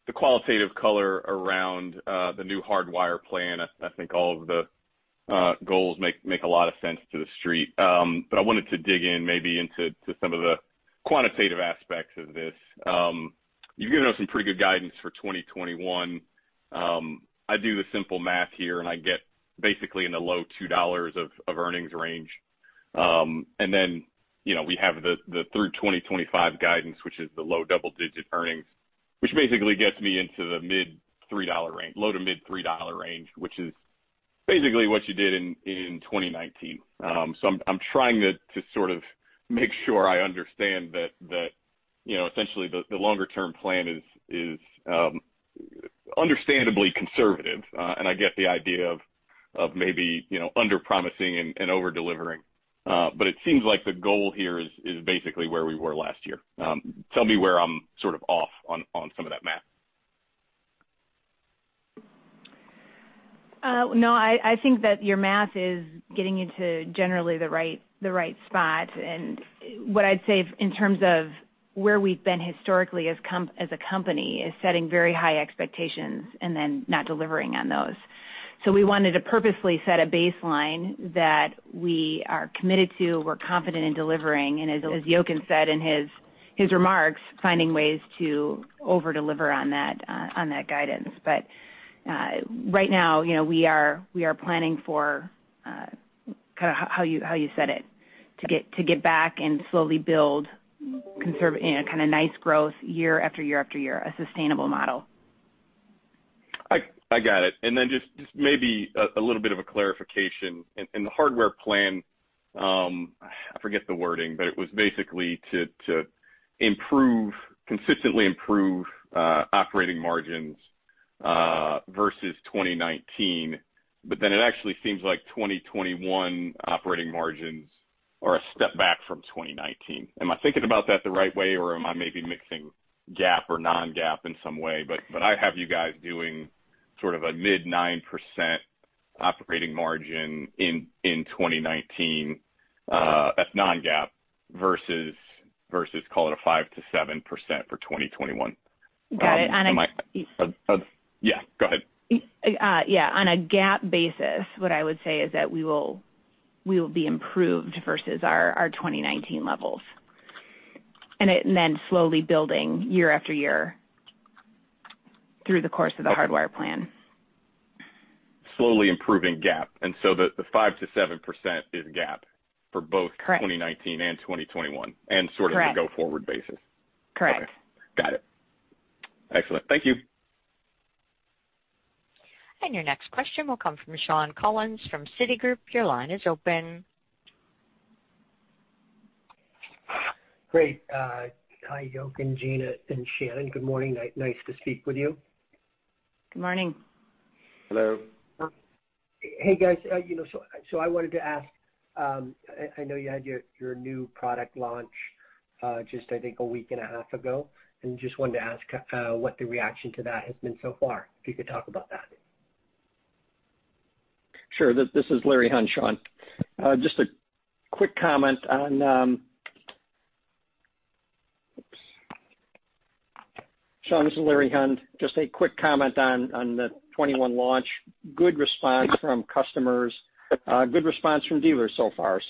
the qualitative color around the new Hardwire plan. I think all of the goals make a lot of sense to the street. I wanted to dig in maybe into some of the quantitative aspects of this. You've given us some pretty good guidance for 2021. I do the simple math here, and I get basically in the low $2 of earnings range. We have the through 2025 guidance, which is the low double-digit earnings, which basically gets me into the mid-$3 range, low to mid-$3 range, which is basically what you did in 2019. I'm trying to sort of make sure I understand that essentially the longer-term plan is understandably conservative, and I get the idea of maybe under-promising and over-delivering. It seems like the goal here is basically where we were last year. Tell me where I'm sort of off on some of that math. No, I think that your math is getting you to generally the right spot. What I'd say in terms of where we've been historically as a company is setting very high expectations and then not delivering on those. We wanted to purposely set a baseline that we are committed to, we're confident in delivering, and as Jochen said in his remarks, finding ways to over-deliver on that guidance. Right now, we are planning for kind of how you said it, to get back and slowly build kind of nice growth year after year after year, a sustainable model. I got it. Maybe a little bit of a clarification. In the Hardwire plan, I forget the wording, but it was basically to consistently improve operating margins versus 2019. It actually seems like 2021 operating margins are a step back from 2019. Am I thinking about that the right way, or am I maybe mixing GAAP or non-GAAP in some way? I have you guys doing sort of a mid-9% operating margin in 2019 at non-GAAP versus, call it, a 5-7% for 2021. Got it. Yeah, go ahead. Yeah. On a GAAP basis, what I would say is that we will be improved versus our 2019 levels, and then slowly building year after year through the course of the Hardwire plan. Slowly improving GAAP. The 5-7% is GAAP for both 2019 and 2021 and sort of the go forward basis. Correct. Got it. Excellent. Thank you. Your next question will come from Shawn Collins from Citigroup. Your line is open. Great. Hi, Jochen, Gina, and Shannon. Good morning. Nice to speak with you. Good morning. Hello. Hey, guys. I wanted to ask, I know you had your new product launch just, I think, a week and a half ago, and just wanted to ask what the reaction to that has been so far, if you could talk about that. Sure. This is Larry Hunt, Shawn. Just a quick comment on Shawn, this is Larry Hunt. Just a quick comment on the '21 launch, good response from customers, good response from dealers so far.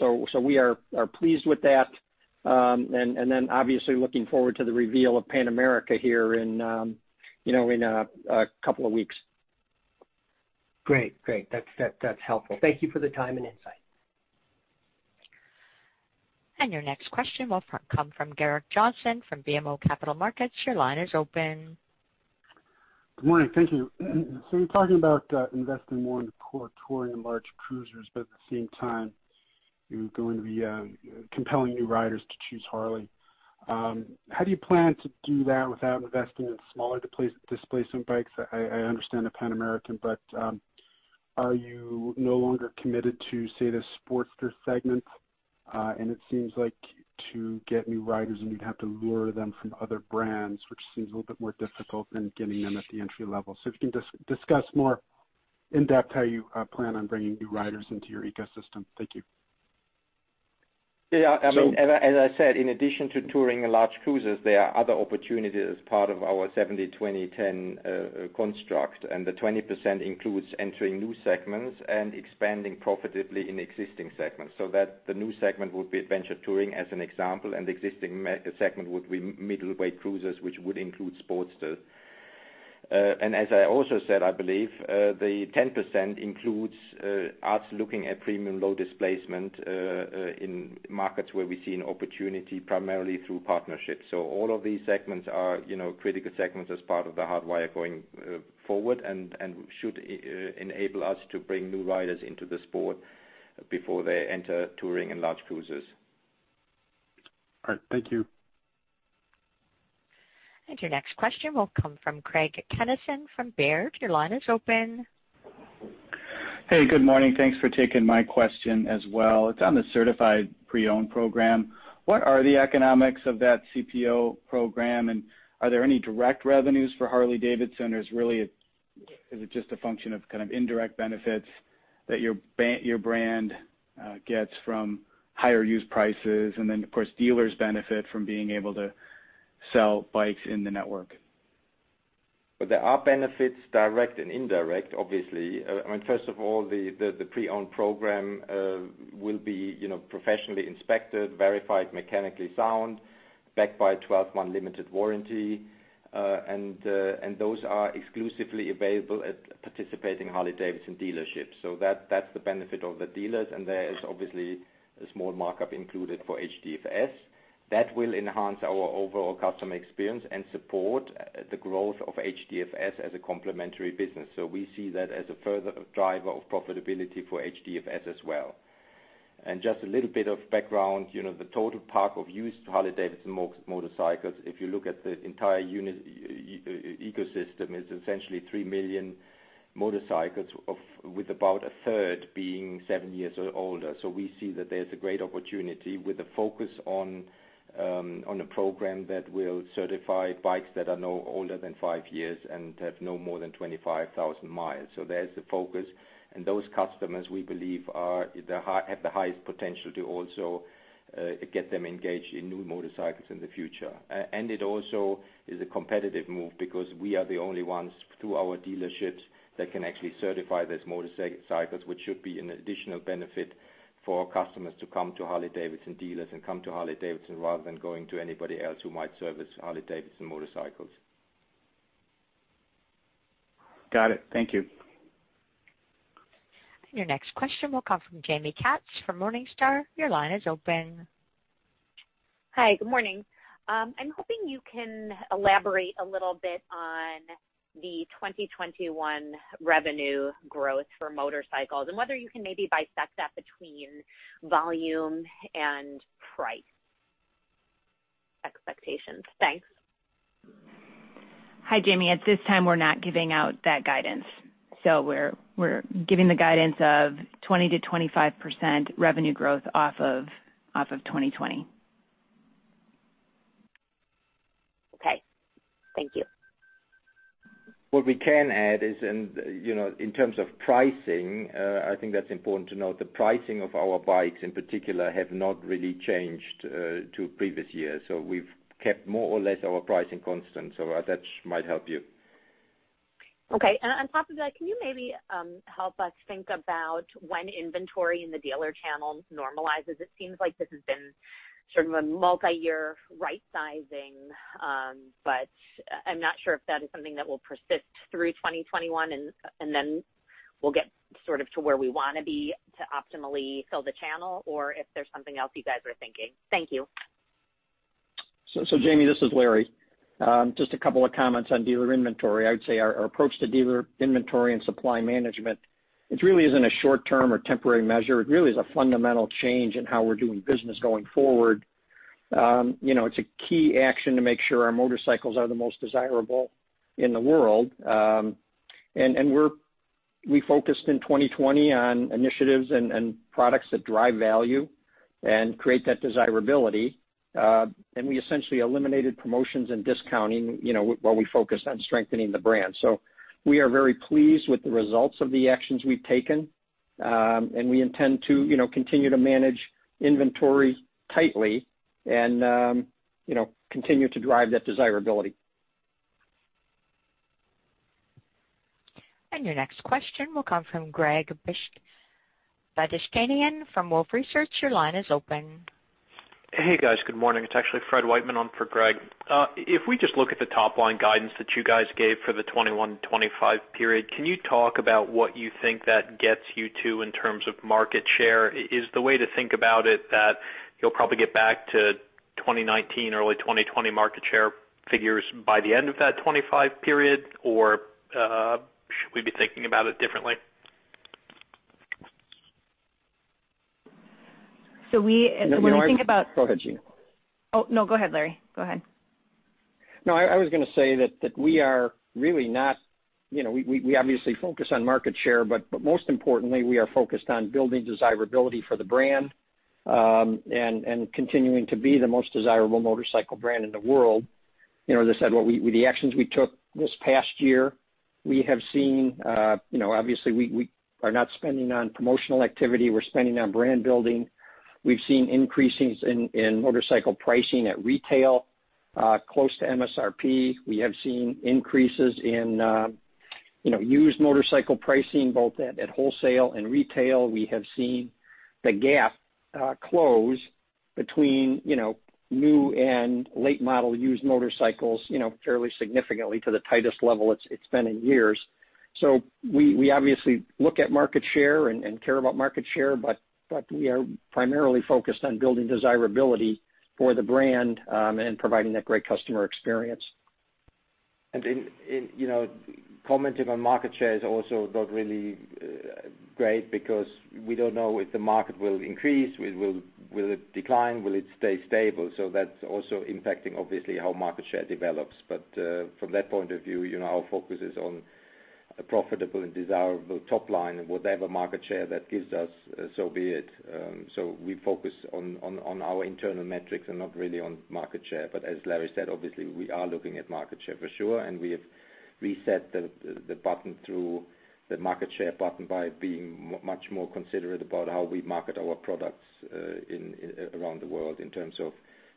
We are pleased with that. Obviously looking forward to the reveal of Pan America here in a couple of weeks. Great. Great. That's helpful. Thank you for the time and insight. Your next question will come from Garrett Johnson from BMO Capital Markets. Your line is open. Good morning. Thank you. You're talking about investing more in the Touring and large cruisers, but at the same time, you're going to be compelling new riders to choose Harley-Davidson. How do you plan to do that without investing in smaller displacement bikes? I understand the Pan America, but are you no longer committed to, say, the Sportster segment? It seems like to get new riders, you'd have to lure them from other brands, which seems a little bit more difficult than getting them at the entry level. If you can discuss more in depth how you plan on bringing new riders into your ecosystem. Thank you. Yeah. I mean, as I said, in addition to Touring and large cruisers, there are other opportunities as part of our 70-20-10 construct, and the 20% includes entering new segments and expanding profitably in existing segments. The new segment would be adventure touring as an example, and the existing segment would be middleweight cruisers, which would include Sportsters. As I also said, I believe the 10% includes us looking at premium low displacement in markets where we see an opportunity primarily through partnerships. All of these segments are critical segments as part of the Hardwire going forward and should enable us to bring new riders into the sport before they enter touring and large cruisers. All right. Thank you. Your next question will come from Craig R. Kennison from Baird. Your line is open. Hey, good morning. Thanks for taking my question as well. It's on the certified pre-owned program. What are the economics of that CPO program, and are there any direct revenues for Harley-Davidson, or is it just a function of kind of indirect benefits that your brand gets from higher use prices? And then, of course, dealers benefit from being able to sell bikes in the network. There are benefits direct and indirect, obviously. I mean, first of all, the pre-owned program will be professionally inspected, verified mechanically sound, backed by a 12-month limited warranty, and those are exclusively available at participating Harley-Davidson dealerships. So that's the benefit of the dealers, and there is obviously a small markup included for HDFS that will enhance our overall customer experience and support the growth of HDFS as a complementary business. So we see that as a further driver of profitability for HDFS as well. And just a little bit of background, the total park of used Harley-Davidson motorcycles, if you look at the entire ecosystem, is essentially 3 million motorcycles, with about a third being 7 years or older. So we see that there's a great opportunity with a focus on a program that will certify bikes that are no older than 5 years and have no more than 25,000 miles. So there's the focus, and those customers, we believe, have the highest potential to also get them engaged in new motorcycles in the future. And it also is a competitive move because we are the only ones through our dealerships that can actually certify these motorcycles, which should be an additional benefit for customers to come to Harley-Davidson dealers and come to Harley-Davidson rather than going to anybody else who might service Harley-Davidson motorcycles. Got it. Thank you. Your next question will come from Jamie Katz from Morningstar. Your line is open. Hi, good morning. I'm hoping you can elaborate a little bit on the 2021 revenue growth for motorcycles and whether you can maybe bisect that between volume and price expectations. Thanks. Hi, Jamie. At this time, we're not giving out that guidance. We are giving the guidance of 20-25% revenue growth off of 2020. Okay. Thank you. What we can add is, in terms of pricing, I think that's important to note. The pricing of our bikes, in particular, have not really changed to previous years. We have kept more or less our pricing constant. That might help you. Okay. On top of that, can you maybe help us think about when inventory in the dealer channel normalizes? It seems like this has been sort of a multi-year right-sizing, but I'm not sure if that is something that will persist through 2021, and then we'll get sort of to where we want to be to optimally fill the channel, or if there's something else you guys are thinking. Thank you. So, Jamie, this is Larry. Just a couple of comments on dealer inventory. I would say our approach to dealer inventory and supply management, it really isn't a short-term or temporary measure. It really is a fundamental change in how we're doing business going forward. It's a key action to make sure our motorcycles are the most desirable in the world. And we focused in 2020 on initiatives and products that drive value and create that desirability. And we essentially eliminated promotions and discounting while we focused on strengthening the brand. So we are very pleased with the results of the actions we've taken, and we intend to continue to manage inventory tightly and continue to drive that desirability. And your next question will come from Greg Bishkadian from Wolfe Research. Your line is open. Hey, guys. Good morning. It's actually Fred Whiteman on for Greg. If we just look at the top-line guidance that you guys gave for the '21-'25 period, can you talk about what you think that gets you to in terms of market share? Is the way to think about it that you'll probably get back to 2019, early 2020 market share figures by the end of that '25 period, or should we be thinking about it differently? So when we think about. Go ahead, Gina. Oh, no. Go ahead, Larry. Go ahead. No, I was going to say that we are really not we obviously focus on market share, but most importantly, we are focused on building desirability for the brand and continuing to be the most desirable motorcycle brand in the world. As I said, with the actions we took this past year, we have seen obviously, we are not spending on promotional activity. We're spending on brand building. We've seen increases in motorcycle pricing at retail close to MSRP. We have seen increases in used motorcycle pricing, both at wholesale and retail. We have seen the gap close between new and late-model used motorcycles fairly significantly to the tightest level it's been in years. So we obviously look at market share and care about market share, but we are primarily focused on building desirability for the brand and providing that great customer experience. And commenting on market share is also not really great because we don't know if the market will increase, will it decline, will it stay stable. So that's also impacting, obviously, how market share develops. But from that point of view, our focus is on a profitable and desirable top line and whatever market share that gives us, so be it. So we focus on our internal metrics and not really on market share. But as Larry said, obviously, we are looking at market share for sure, and we have reset the market share button by being much more considerate about how we market our products around the world in terms of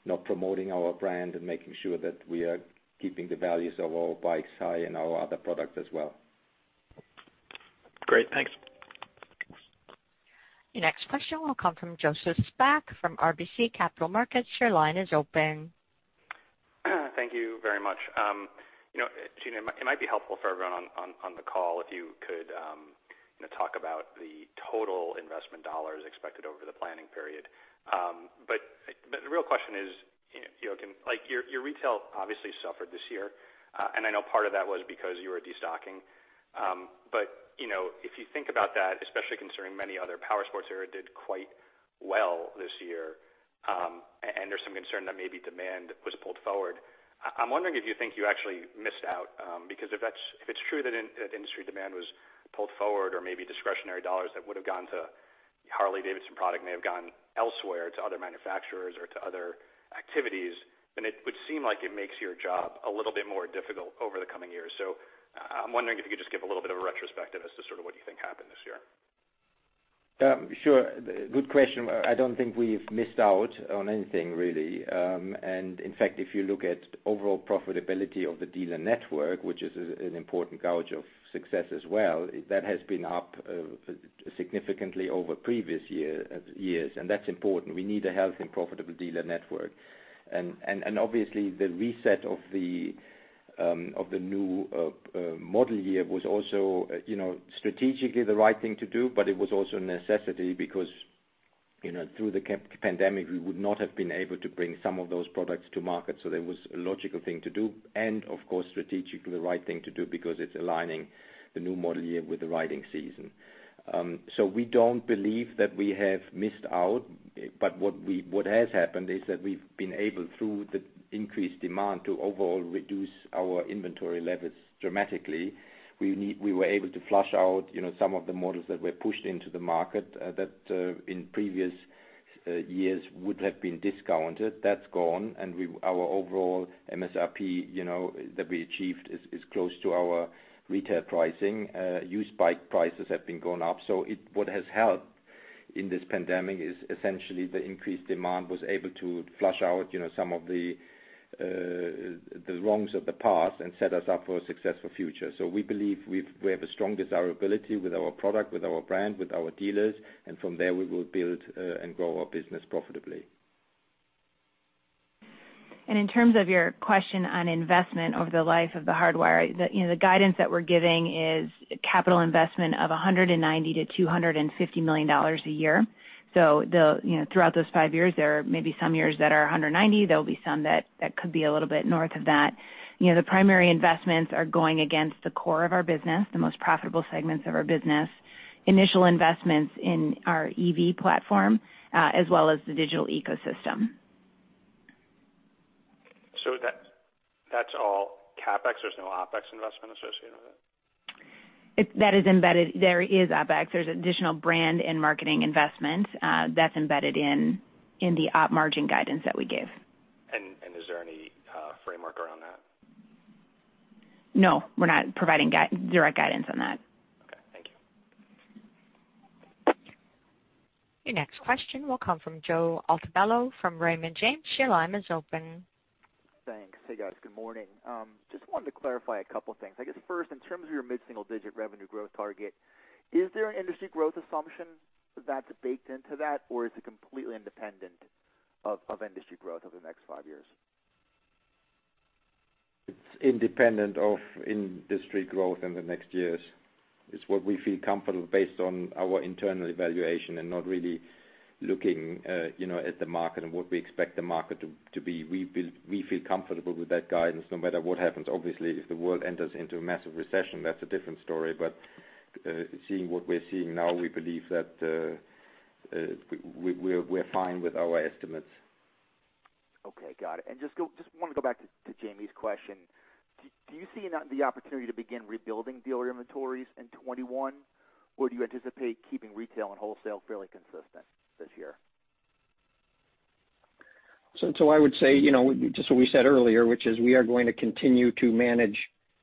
not promoting our brand and making sure that we are keeping the values of our bikes high and our other products as well. Great. Thanks. Your next question will come from Joseph Spak from RBC Capital Markets. Your line is open. Thank you very much. Gina, it might be helpful for everyone on the call if you could talk about the total investment dollars expected over the planning period. But the real question is, Jochen, your retail obviously suffered this year, and I know part of that was because you were destocking. But if you think about that, especially considering many other power sports that did quite well this year, and there's some concern that maybe demand was pulled forward, I'm wondering if you think you actually missed out. Because if it's true that industry demand was pulled forward or maybe discretionary dollars that would have gone to Harley-Davidson product may have gone elsewhere to other manufacturers or to other activities, then it would seem like it makes your job a little bit more difficult over the coming years. So I'm wondering if you could just give a little bit of a retrospective as to sort of what you think happened this year. Sure. Good question. I don't think we've missed out on anything, really. And in fact, if you look at overall profitability of the dealer network, which is an important gouge of success as well, that has been up significantly over previous years, and that's important. We need a healthy and profitable dealer network. And obviously, the reset of the new model year was also strategically the right thing to do, but it was also a necessity because through the pandemic, we would not have been able to bring some of those products to market. So there was a logical thing to do and, of course, strategically the right thing to do because it's aligning the new model year with the riding season. So we don't believe that we have missed out, but what has happened is that we've been able, through the increased demand, to overall reduce our inventory levels dramatically. We were able to flush out some of the models that were pushed into the market that in previous years would have been discounted. That's gone, and our overall MSRP that we achieved is close to our retail pricing. Used bike prices have been going up. So what has helped in this pandemic is essentially the increased demand was able to flush out some of the wrongs of the past and set us up for a successful future. So we believe we have a strong desirability with our product, with our brand, with our dealers, and from there, we will build and grow our business profitably. And in terms of your question on investment over the life of the hardware, the guidance that we're giving is capital investment of $190 to $250 million a year. So throughout those five years, there may be some years that are $190. There will be some that could be a little bit north of that. The primary investments are going against the core of our business, the most profitable segments of our business, initial investments in our EV platform, as well as the digital ecosystem. So that's all CapEx? There's no OpEx investment associated with it? There is OpEx. There's additional brand and marketing investment that's embedded in the Op Margin guidance that we gave. And is there any framework around that? No. We're not providing direct guidance on that. Okay. Thank you. Your next question will come from Joseph Altobello from Raymond James. Your line is open. Thanks. Hey, guys. Good morning. Just wanted to clarify a couple of things. I guess, first, in terms of your mid-single-digit revenue growth target, is there an industry growth assumption that's baked into that, or is it completely independent of industry growth over the next five years? It's independent of industry growth in the next years. It's what we feel comfortable based on our internal evaluation and not really looking at the market and what we expect the market to be. We feel comfortable with that guidance no matter what happens. Obviously, if the world enters into a massive recession, that's a different story. But seeing what we're seeing now, we believe that we're fine with our estimates. Okay. Got it. And just wanted to go back to Jamie's question. Do you see the opportunity to begin rebuilding dealer inventories in '21, or do you anticipate keeping retail and wholesale fairly consistent this year? So I would say just what we said earlier, which is we are going to continue to manage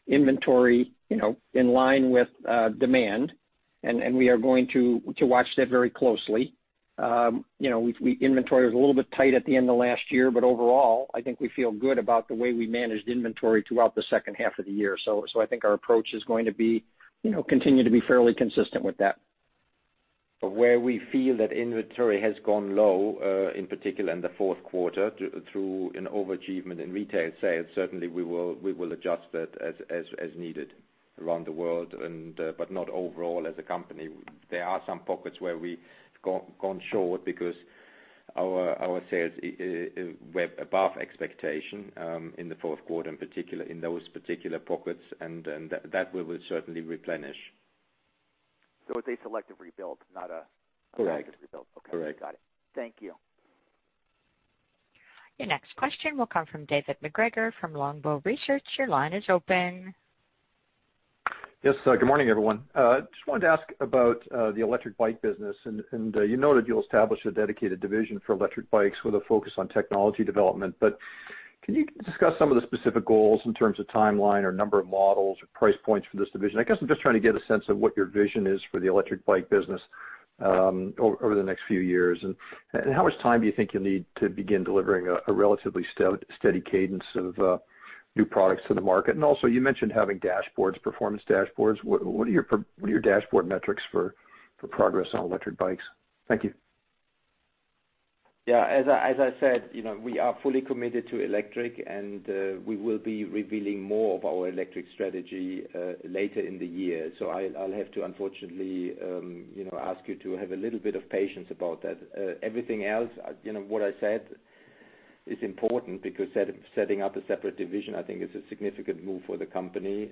inventory in line with demand, and we are going to watch that very closely. Inventory was a little bit tight at the end of last year, but overall, I think we feel good about the way we managed inventory throughout the second half of the year. So I think our approach is going to continue to be fairly consistent with that. But where we feel that inventory has gone low, in particular in the fourth quarter through an overachievement in retail sales, certainly, we will adjust that as needed around the world, but not overall as a company. There are some pockets where we've gone short because our sales were above expectation in the fourth quarter, in particular in those particular pockets, and that will certainly replenish. So it's a selective rebuild, not a targeted rebuild. Correct. Okay. Got it. Thank you. Your next question will come from David McGregor from Longbow Research. Your line is open. Yes. Good morning, everyone. Just wanted to ask about the electric bike business. And you noted you'll establish a dedicated division for electric bikes with a focus on technology development. But can you discuss some of the specific goals in terms of timeline or number of models or price points for this division? I guess I'm just trying to get a sense of what your vision is for the electric bike business over the next few years. And how much time do you think you'll need to begin delivering a relatively steady cadence of new products to the market? And also, you mentioned having performance dashboards. What are your dashboard metrics for progress on electric bikes? Thank you. Yeah. As I said, we are fully committed to electric, and we will be revealing more of our electric strategy later in the year. So I'll have to, unfortunately, ask you to have a little bit of patience about that. Everything else, what I said, is important because setting up a separate division, I think, is a significant move for the company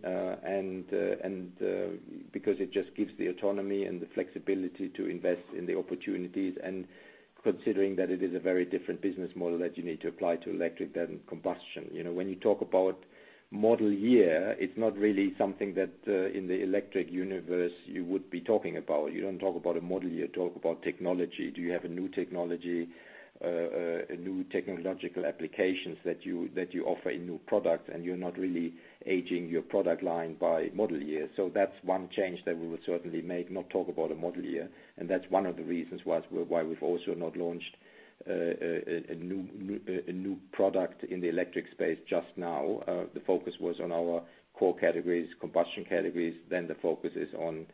because it just gives the autonomy and the flexibility to invest in the opportunities. And considering that it is a very different business model that you need to apply to electric than combustion, when you talk about model year, it's not really something that in the electric universe you would be talking about. You don't talk about a model year. You talk about technology. Do you have a new technology, new technological applications that you offer in new products? And you're not really aging your product line by model year. So that's one change that we will certainly make, not talk about a model year. And that's one of the reasons why we've also not launched a new product in the electric space just now. The focus was on our core categories, combustion categories. Then the focus is on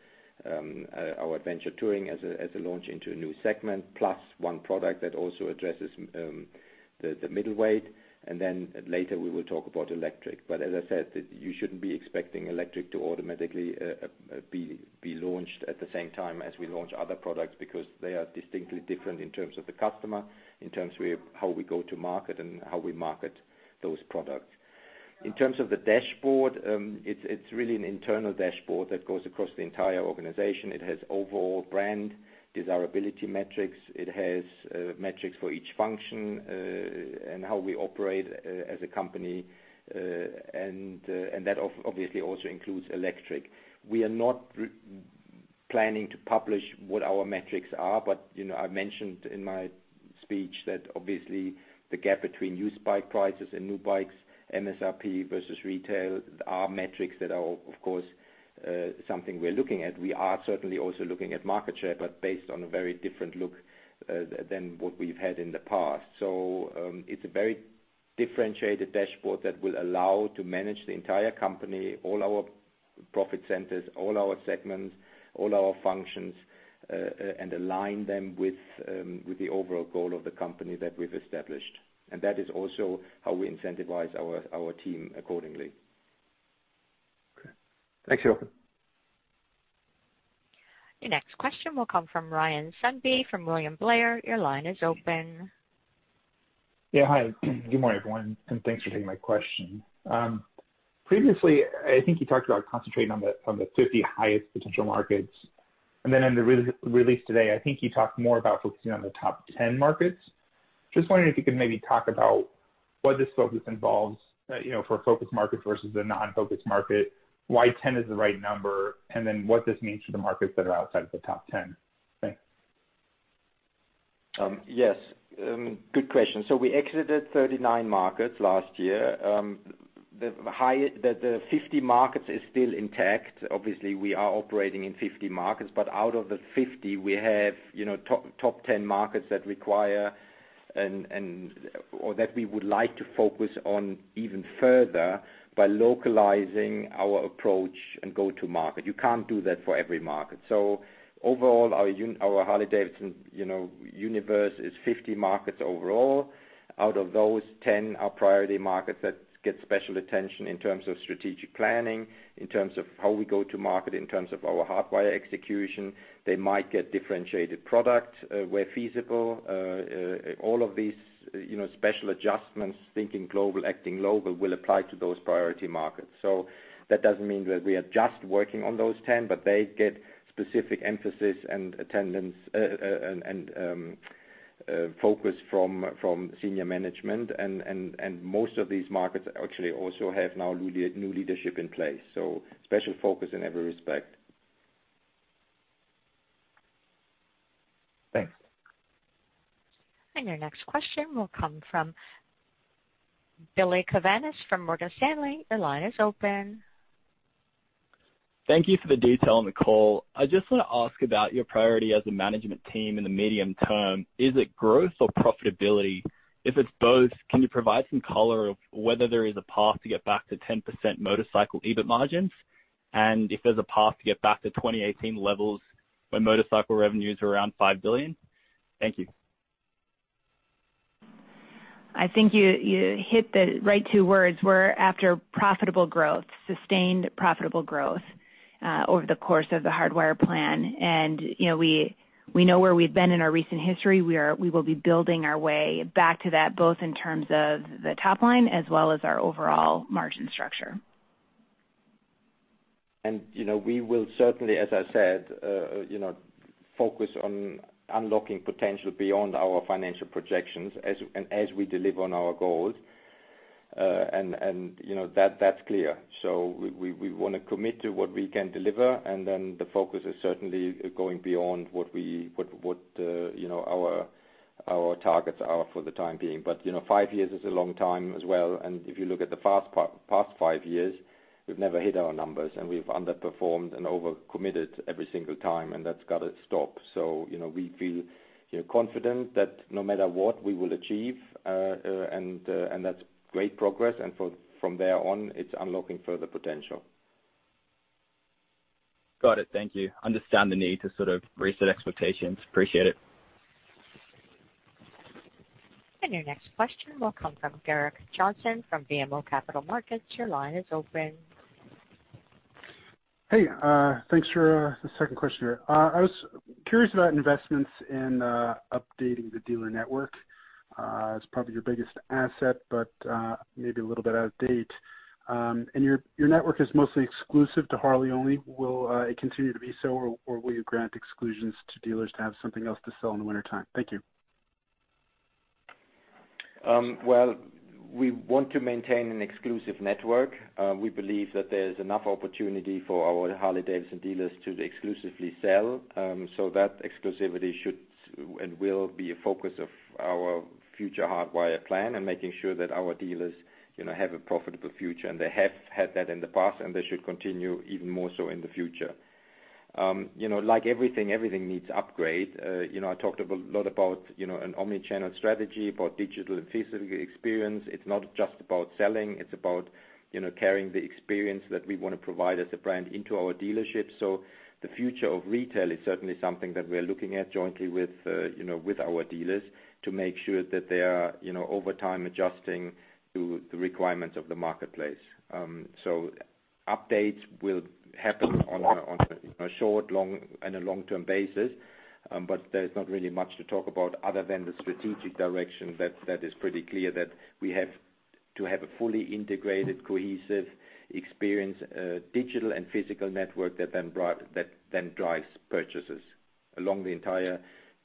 our adventure touring as a launch into a new segment, plus one product that also addresses the middle weight. And then later, we will talk about electric. But as I said, you shouldn't be expecting electric to automatically be launched at the same time as we launch other products because they are distinctly different in terms of the customer, in terms of how we go to market and how we market those products. In terms of the dashboard, it's really an internal dashboard that goes across the entire organization. It has overall brand desirability metrics. It has metrics for each function and how we operate as a company. And that obviously also includes electric. We are not planning to publish what our metrics are, but I mentioned in my speech that obviously the gap between used bike prices and new bikes, MSRP versus retail, are metrics that are, of course, something we're looking at. We are certainly also looking at market share, but based on a very different look than what we've had in the past. So it's a very differentiated dashboard that will allow to manage the entire company, all our profit centers, all our segments, all our functions, and align them with the overall goal of the company that we've established. And that is also how we incentivize our team accordingly. Okay. Thanks, Jochen. Your next question will come from Ryan Sundby from William Blair. Your line is open. Yeah. Hi. Good morning, everyone. And thanks for taking my question. Previously, I think you talked about concentrating on the 50 highest potential markets. And then in the release today, I think you talked more about focusing on the top 10 markets. Just wondering if you could maybe talk about what this focus involves for a focus market versus a non-focus market, why 10 is the right number, and then what this means for the markets that are outside of the top 10. Thanks. Yes. Good question. So we exited 39 markets last year. The 50 markets is still intact. Obviously, we are operating in 50 markets, but out of the 50, we have top 10 markets that require or that we would like to focus on even further by localizing our approach and go-to-market. You can't do that for every market. So overall, our Harley-Davidson universe is 50 markets overall. Out of those, 10 are priority markets that get special attention in terms of strategic planning, in terms of how we go-to-market, in terms of our hardware execution. They might get differentiated products where feasible. All of these special adjustments, thinking global, acting global, will apply to those priority markets. So that doesn't mean that we are just working on those 10, but they get specific emphasis and attendance and focus from senior management. And most of these markets actually also have now new leadership in place. So special focus in every respect. Thanks. And your next question will come from Billy Kavanis from Morgan Stanley. Your line is open. Thank you for the detail on the call. I just want to ask about your priority as a management team in the medium term. Is it growth or profitability? If it's both, can you provide some color of whether there is a path to get back to 10% motorcycle EBIT margins? And if there's a path to get back to 2018 levels when motorcycle revenues were around $5 billion? Thank you. I think you hit the right two words. We're after profitable growth, sustained profitable growth over the course of the hardwire plan. And we know where we've been in our recent history. We will be building our way back to that, both in terms of the top line as well as our overall margin structure. And we will certainly, as I said, focus on unlocking potential beyond our financial projections as we deliver on our goals. And that's clear. So we want to commit to what we can deliver. And then the focus is certainly going beyond what our targets are for the time being. But five years is a long time as well. And if you look at the past five years, we've never hit our numbers, and we've underperformed and overcommitted every single time, and that's got to stop. So we feel confident that no matter what, we will achieve, and that's great progress. And from there on, it's unlocking further potential. Got it. Thank you. Understand the need to sort of reset expectations. Appreciate it. And your next question will come from Gerrick Johnson from BMO Capital Markets. Your line is open. Hey. Thanks for the second question here. I was curious about investments in updating the dealer network. It's probably your biggest asset, but maybe a little bit out of date. And your network is mostly exclusive to Harley only. Will it continue to be so, or will you grant exclusions to dealers to have something else to sell in the wintertime? Thank you. Well, we want to maintain an exclusive network. We believe that there's enough opportunity for our Harley-Davidson dealers to exclusively sell. That exclusivity should and will be a focus of our future hardwire plan and making sure that our dealers have a profitable future. They have had that in the past, and they should continue even more so in the future. Like everything, everything needs upgrade. I talked a lot about an omnichannel strategy, about digital and physical experience. It's not just about selling. It's about carrying the experience that we want to provide as a brand into our dealership. The future of retail is certainly something that we're looking at jointly with our dealers to make sure that they are over time adjusting to the requirements of the marketplace. Updates will happen on a short, long, and a long-term basis. There is not really much to talk about other than the strategic direction that is pretty clear that we have to have a fully integrated, cohesive experience, digital and physical network that then drives purchases along the entire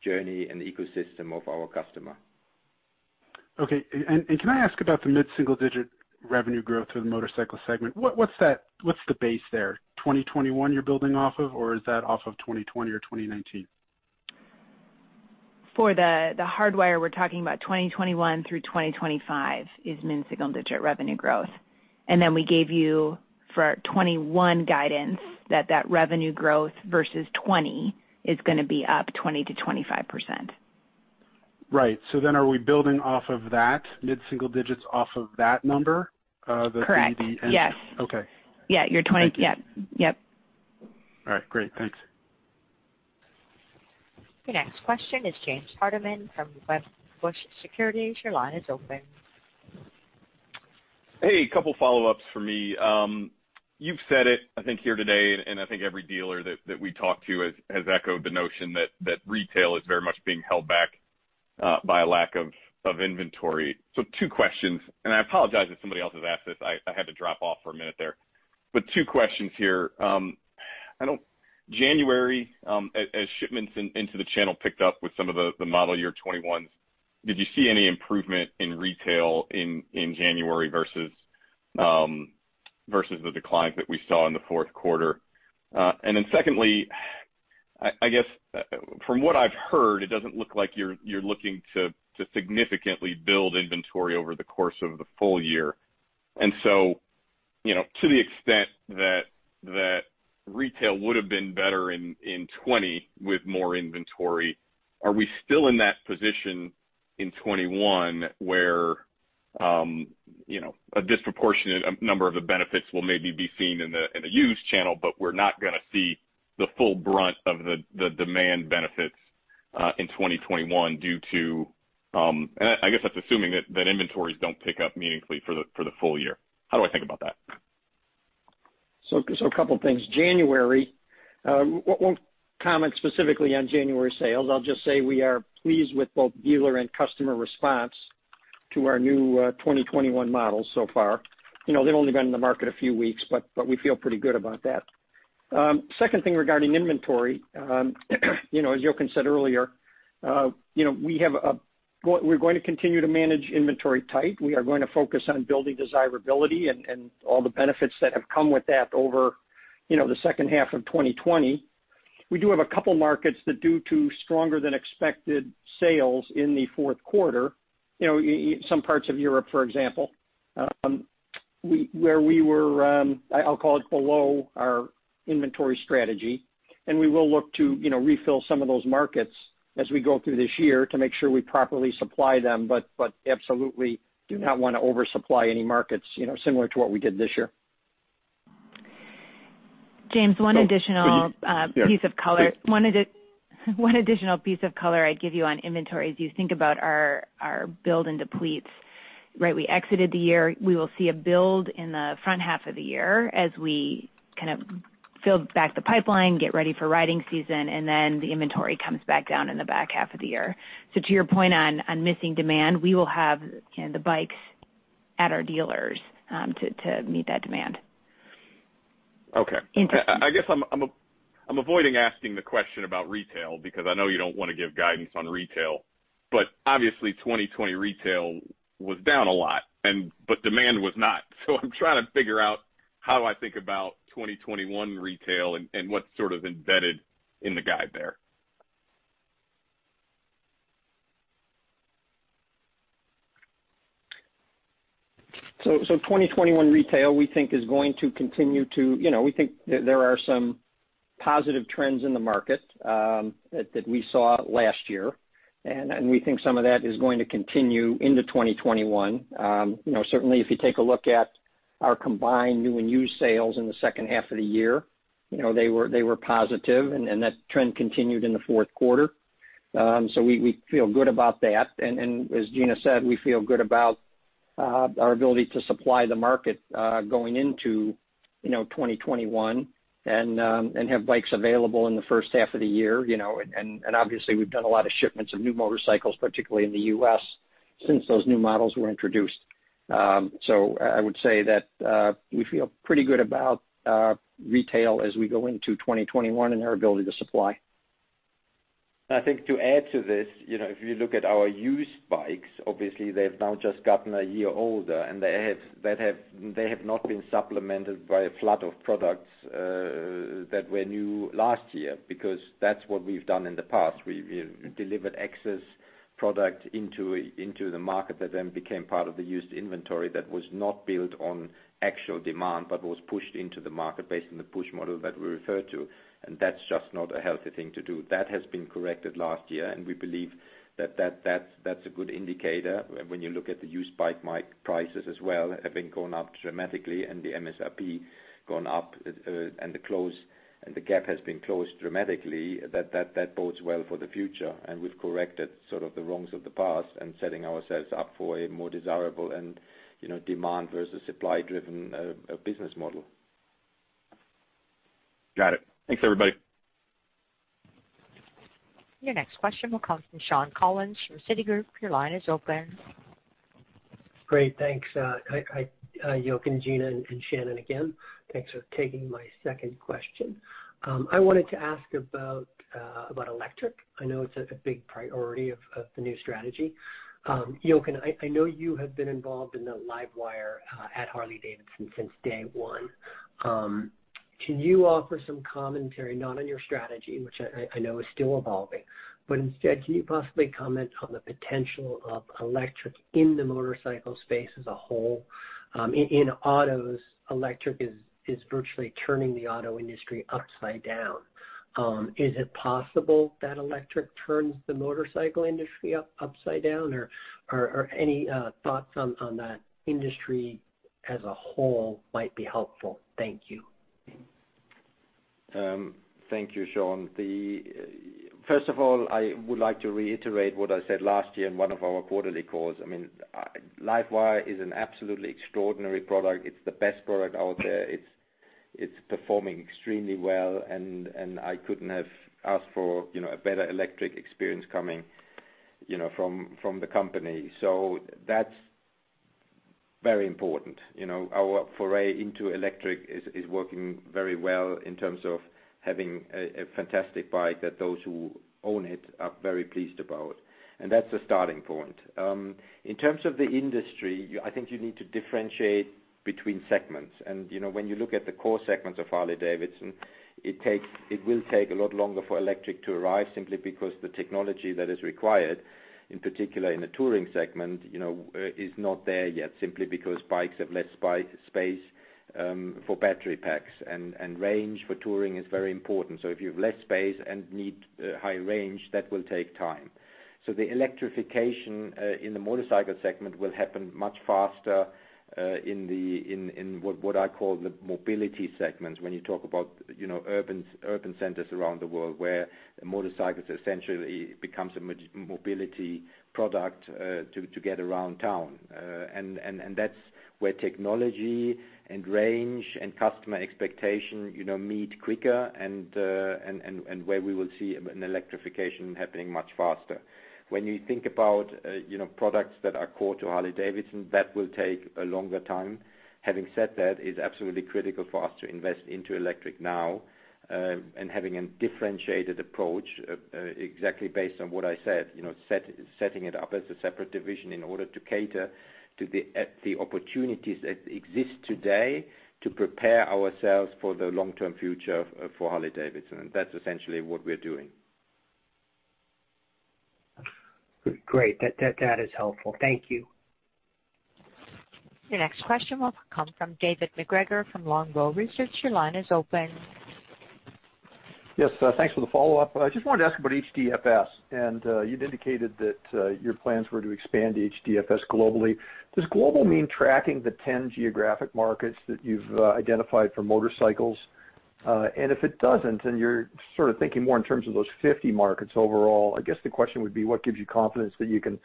journey and ecosystem of our customer. Okay. Can I ask about the mid-single-digit revenue growth for the motorcycle segment? What is the base there? 2021 you are building off of, or is that off of 2020 or 2019? For the Hardwire, we are talking about 2021 through 2025 is mid-single-digit revenue growth. We gave you for 2021 guidance that that revenue growth versus 2020 is going to be up 20-25%. Right. Are we building off of that, mid-single digits off of that number? The 30 and. Correct. Yes. Okay. Yeah. Your 20. Yep. Yep. All right. Great. Thanks. Your next question is James Hardiman from Wedbush Securities. Your line is open. Hey. A couple of follow-ups for me. You've said it, I think, here today, and I think every dealer that we talk to has echoed the notion that retail is very much being held back by a lack of inventory. Two questions. I apologize if somebody else has asked this. I had to drop off for a minute there. Two questions here. January, as shipments into the channel picked up with some of the model year 2021s, did you see any improvement in retail in January versus the decline that we saw in the fourth quarter? Secondly, I guess from what I've heard, it doesn't look like you're looking to significantly build inventory over the course of the full year. To the extent that retail would have been better in 2020 with more inventory, are we still in that position in 2021 where a disproportionate number of the benefits will maybe be seen in the used channel, but we are not going to see the full brunt of the demand benefits in 2021 due to—and I guess that is assuming that inventories do not pick up meaningfully for the full year. How do I think about that? A couple of things. January, one comment specifically on January sales. I will just say we are pleased with both dealer and customer response to our new 2021 models so far. They have only been in the market a few weeks, but we feel pretty good about that. Second thing regarding inventory, as Jochen said earlier, we are going to continue to manage inventory tight. We are going to focus on building desirability and all the benefits that have come with that over the second half of 2020. We do have a couple of markets that due to stronger-than-expected sales in the fourth quarter, some parts of Europe, for example, where we were, I'll call it, below our inventory strategy. We will look to refill some of those markets as we go through this year to make sure we properly supply them, but absolutely do not want to oversupply any markets similar to what we did this year. James, one additional piece of color. One additional piece of color I'd give you on inventory as you think about our build and depletes, right? We exited the year. We will see a build in the front half of the year as we kind of fill back the pipeline, get ready for riding season, and then the inventory comes back down in the back half of the year. To your point on missing demand, we will have the bikes at our dealers to meet that demand. Okay. I guess I'm avoiding asking the question about retail because I know you don't want to give guidance on retail. Obviously, 2020 retail was down a lot, but demand was not. I'm trying to figure out how do I think about 2021 retail and what's sort of embedded in the guide there. 2021 retail, we think, is going to continue to—we think there are some positive trends in the market that we saw last year. We think some of that is going to continue into 2021. Certainly, if you take a look at our combined new and used sales in the second half of the year, they were positive, and that trend continued in the fourth quarter. We feel good about that. As Gina said, we feel good about our ability to supply the market going into 2021 and have bikes available in the first half of the year. Obviously, we have done a lot of shipments of new motorcycles, particularly in the US, since those new models were introduced. I would say that we feel pretty good about retail as we go into 2021 and our ability to supply. I think to add to this, if you look at our used bikes, obviously, they've now just gotten a year older, and they have not been supplemented by a flood of products that were new last year because that's what we've done in the past. We delivered excess product into the market that then became part of the used inventory that was not built on actual demand but was pushed into the market based on the push model that we referred to. That is just not a healthy thing to do. That has been corrected last year, and we believe that that's a good indicator. When you look at the used bike prices as well having gone up dramatically and the MSRP gone up and the gap has been closed dramatically, that bodes well for the future. We have corrected sort of the wrongs of the past and are setting ourselves up for a more desirable and demand versus supply-driven business model. Got it. Thanks, everybody. Your next question will come from Shawn Collins from Citigroup. Your line is open. Great. Thanks, Jochen, Gina, and Shannon again. Thanks for taking my second question. I wanted to ask about electric. I know it is a big priority of the new strategy. Jochen, I know you have been involved in the LiveWire at Harley-Davidson since day one. Can you offer some commentary, not on your strategy, which I know is still evolving, but instead, can you possibly comment on the potential of electric in the motorcycle space as a whole? In autos, electric is virtually turning the auto industry upside down. Is it possible that electric turns the motorcycle industry upside down? Or any thoughts on that industry as a whole might be helpful? Thank you. Thank you, Shawn. First of all, I would like to reiterate what I said last year in one of our quarterly calls. I mean, LiveWire is an absolutely extraordinary product. It's the best product out there. It's performing extremely well. I couldn't have asked for a better electric experience coming from the company. That's very important. Our foray into electric is working very well in terms of having a fantastic bike that those who own it are very pleased about. That's a starting point. In terms of the industry, I think you need to differentiate between segments. When you look at the core segments of Harley-Davidson, it will take a lot longer for electric to arrive simply because the technology that is required, in particular in the touring segment, is not there yet simply because bikes have less space for battery packs. Range for touring is very important. If you have less space and need high range, that will take time. Electrification in the motorcycle segment will happen much faster in what I call the mobility segments when you talk about urban centers around the world where motorcycles essentially become a mobility product to get around town. That is where technology and range and customer expectation meet quicker and where we will see an electrification happening much faster. When you think about products that are core to Harley-Davidson, that will take a longer time. Having said that, it is absolutely critical for us to invest into electric now and having a differentiated approach exactly based on what I said, setting it up as a separate division in order to cater to the opportunities that exist today to prepare ourselves for the long-term future for Harley-Davidson. And that's essentially what we're doing. Great. That is helpful. Thank you. Your next question will come from David McGregor from Longbow Research. Your line is open. Yes. Thanks for the follow-up. I just wanted to ask about HDFS. And you'd indicated that your plans were to expand HDFS globally. Does global mean tracking the 10 geographic markets that you've identified for motorcycles? And if it doesn't, and you're sort of thinking more in terms of those 50 markets overall, I guess the question would be, what gives you confidence that you can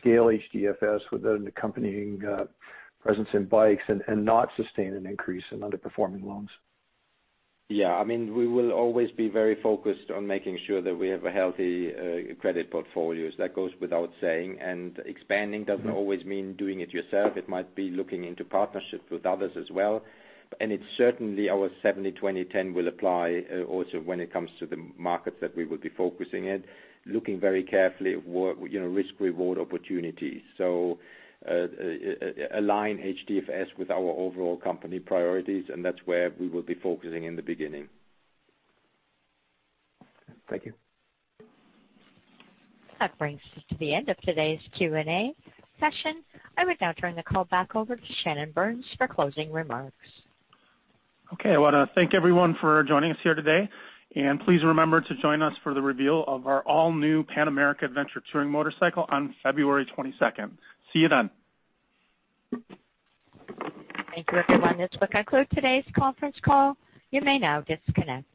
scale HDFS with an accompanying presence in bikes and not sustain an increase in underperforming loans? Yeah. I mean, we will always be very focused on making sure that we have a healthy credit portfolio. That goes without saying. And expanding doesn't always mean doing it yourself. It might be looking into partnerships with others as well. And certainly, our 70/20/10 will apply also when it comes to the markets that we will be focusing in, looking very carefully at risk-reward opportunities. So align HDFS with our overall company priorities, and that's where we will be focusing in the beginning. Thank you. That brings us to the end of today's Q&A session. I would now turn the call back over to Shannon Burns for closing remarks. Okay. I want to thank everyone for joining us here today. Please remember to join us for the reveal of our all-new Pan America Adventure Touring Motorcycle on February 22nd. See you then. Thank you, everyone. This will conclude today's conference call. You may now disconnect.